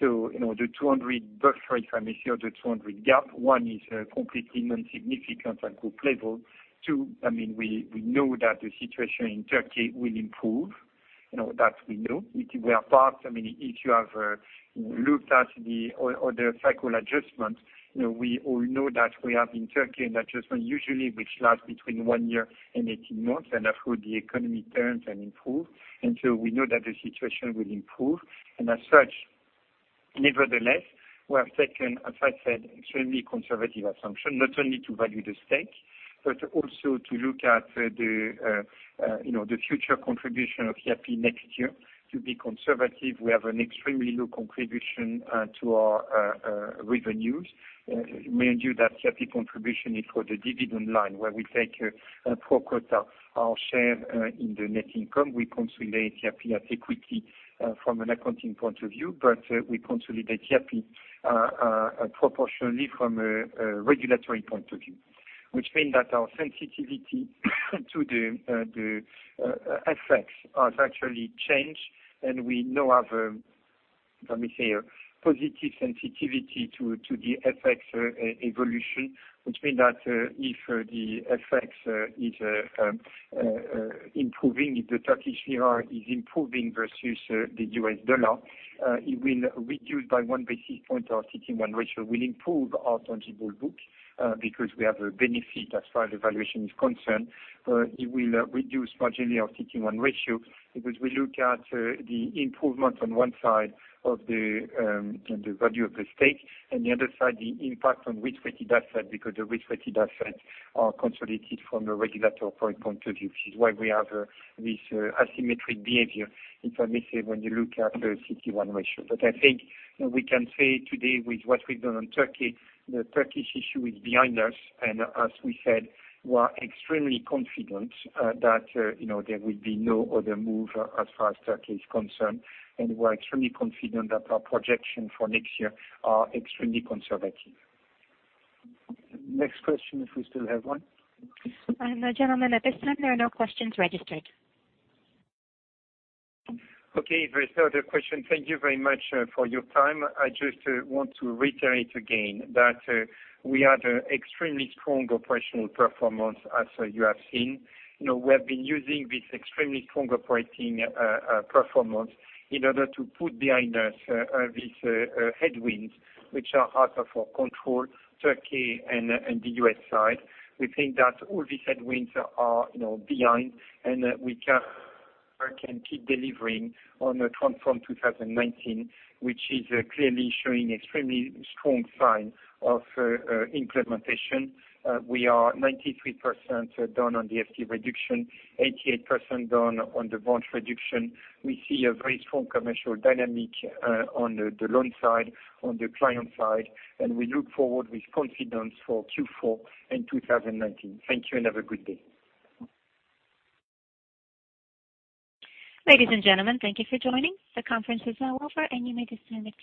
The 200 buffer, if I'm assured the 200 gap, one is completely non-significant at group level. Two, we know that the situation in Turkey will improve. That we know. If you have looked at the other cycle adjustments, we all know that we have in Turkey an adjustment usually which lasts between 1 year and 18 months, and after the economy turns and improve. We know that the situation will improve. As such, nevertheless, we have taken, as I said, extremely conservative assumption, not only to value the stake, but also to look at the future contribution of Yapı Kredi next year. To be conservative, we have an extremely low contribution to our revenues. Mind you, that Yapı Kredi contribution is for the dividend line, where we take a pro quota our share in the net income. We consolidate Yapı Kredi at equity from an accounting point of view, but we consolidate Yapı Kredi proportionally from a regulatory point of view, which means that our sensitivity to the FX has actually changed, we now have, let me say, a positive sensitivity to the FX evolution, which means that if the FX is improving, if the Turkish lira is improving versus the U.S. dollar, it will reduce by 1 basis point, our CET1 ratio. We'll improve our tangible book, because we have a benefit as far as valuation is concerned. It will reduce marginally our CET1 ratio, because we look at the improvement on one side of the value of the stake, and the other side, the impact on risk-weighted asset, because the risk-weighted assets are consolidated from a regulatory point of view, which is why we have this asymmetric behavior, if I may say, when you look at the CET1 ratio. I think we can say today with what we've done on Turkey, the Turkish issue is behind us. As we said, we are extremely confident that there will be no other move as far as Turkey is concerned, and we're extremely confident that our projection for next year are extremely conservative. Next question, if we still have one. Gentlemen, at this time, there are no questions registered. Okay. If there's no other question, thank you very much for your time. I just want to reiterate again that we had extremely strong operational performance as you have seen. We have been using this extremely strong operating performance in order to put behind us these headwinds, which are out of our control, Turkey and the U.S. side. We think that all these headwinds are behind, and we can keep delivering on the Transform 2019, which is clearly showing extremely strong sign of implementation. We are 93% done on the FTE reduction, 88% done on the branch reduction. We see a very strong commercial dynamic on the loan side, on the client side, and we look forward with confidence for Q4 in 2019. Thank you, and have a good day. Ladies and gentlemen, thank you for joining. The conference is now over, and you may disconnect.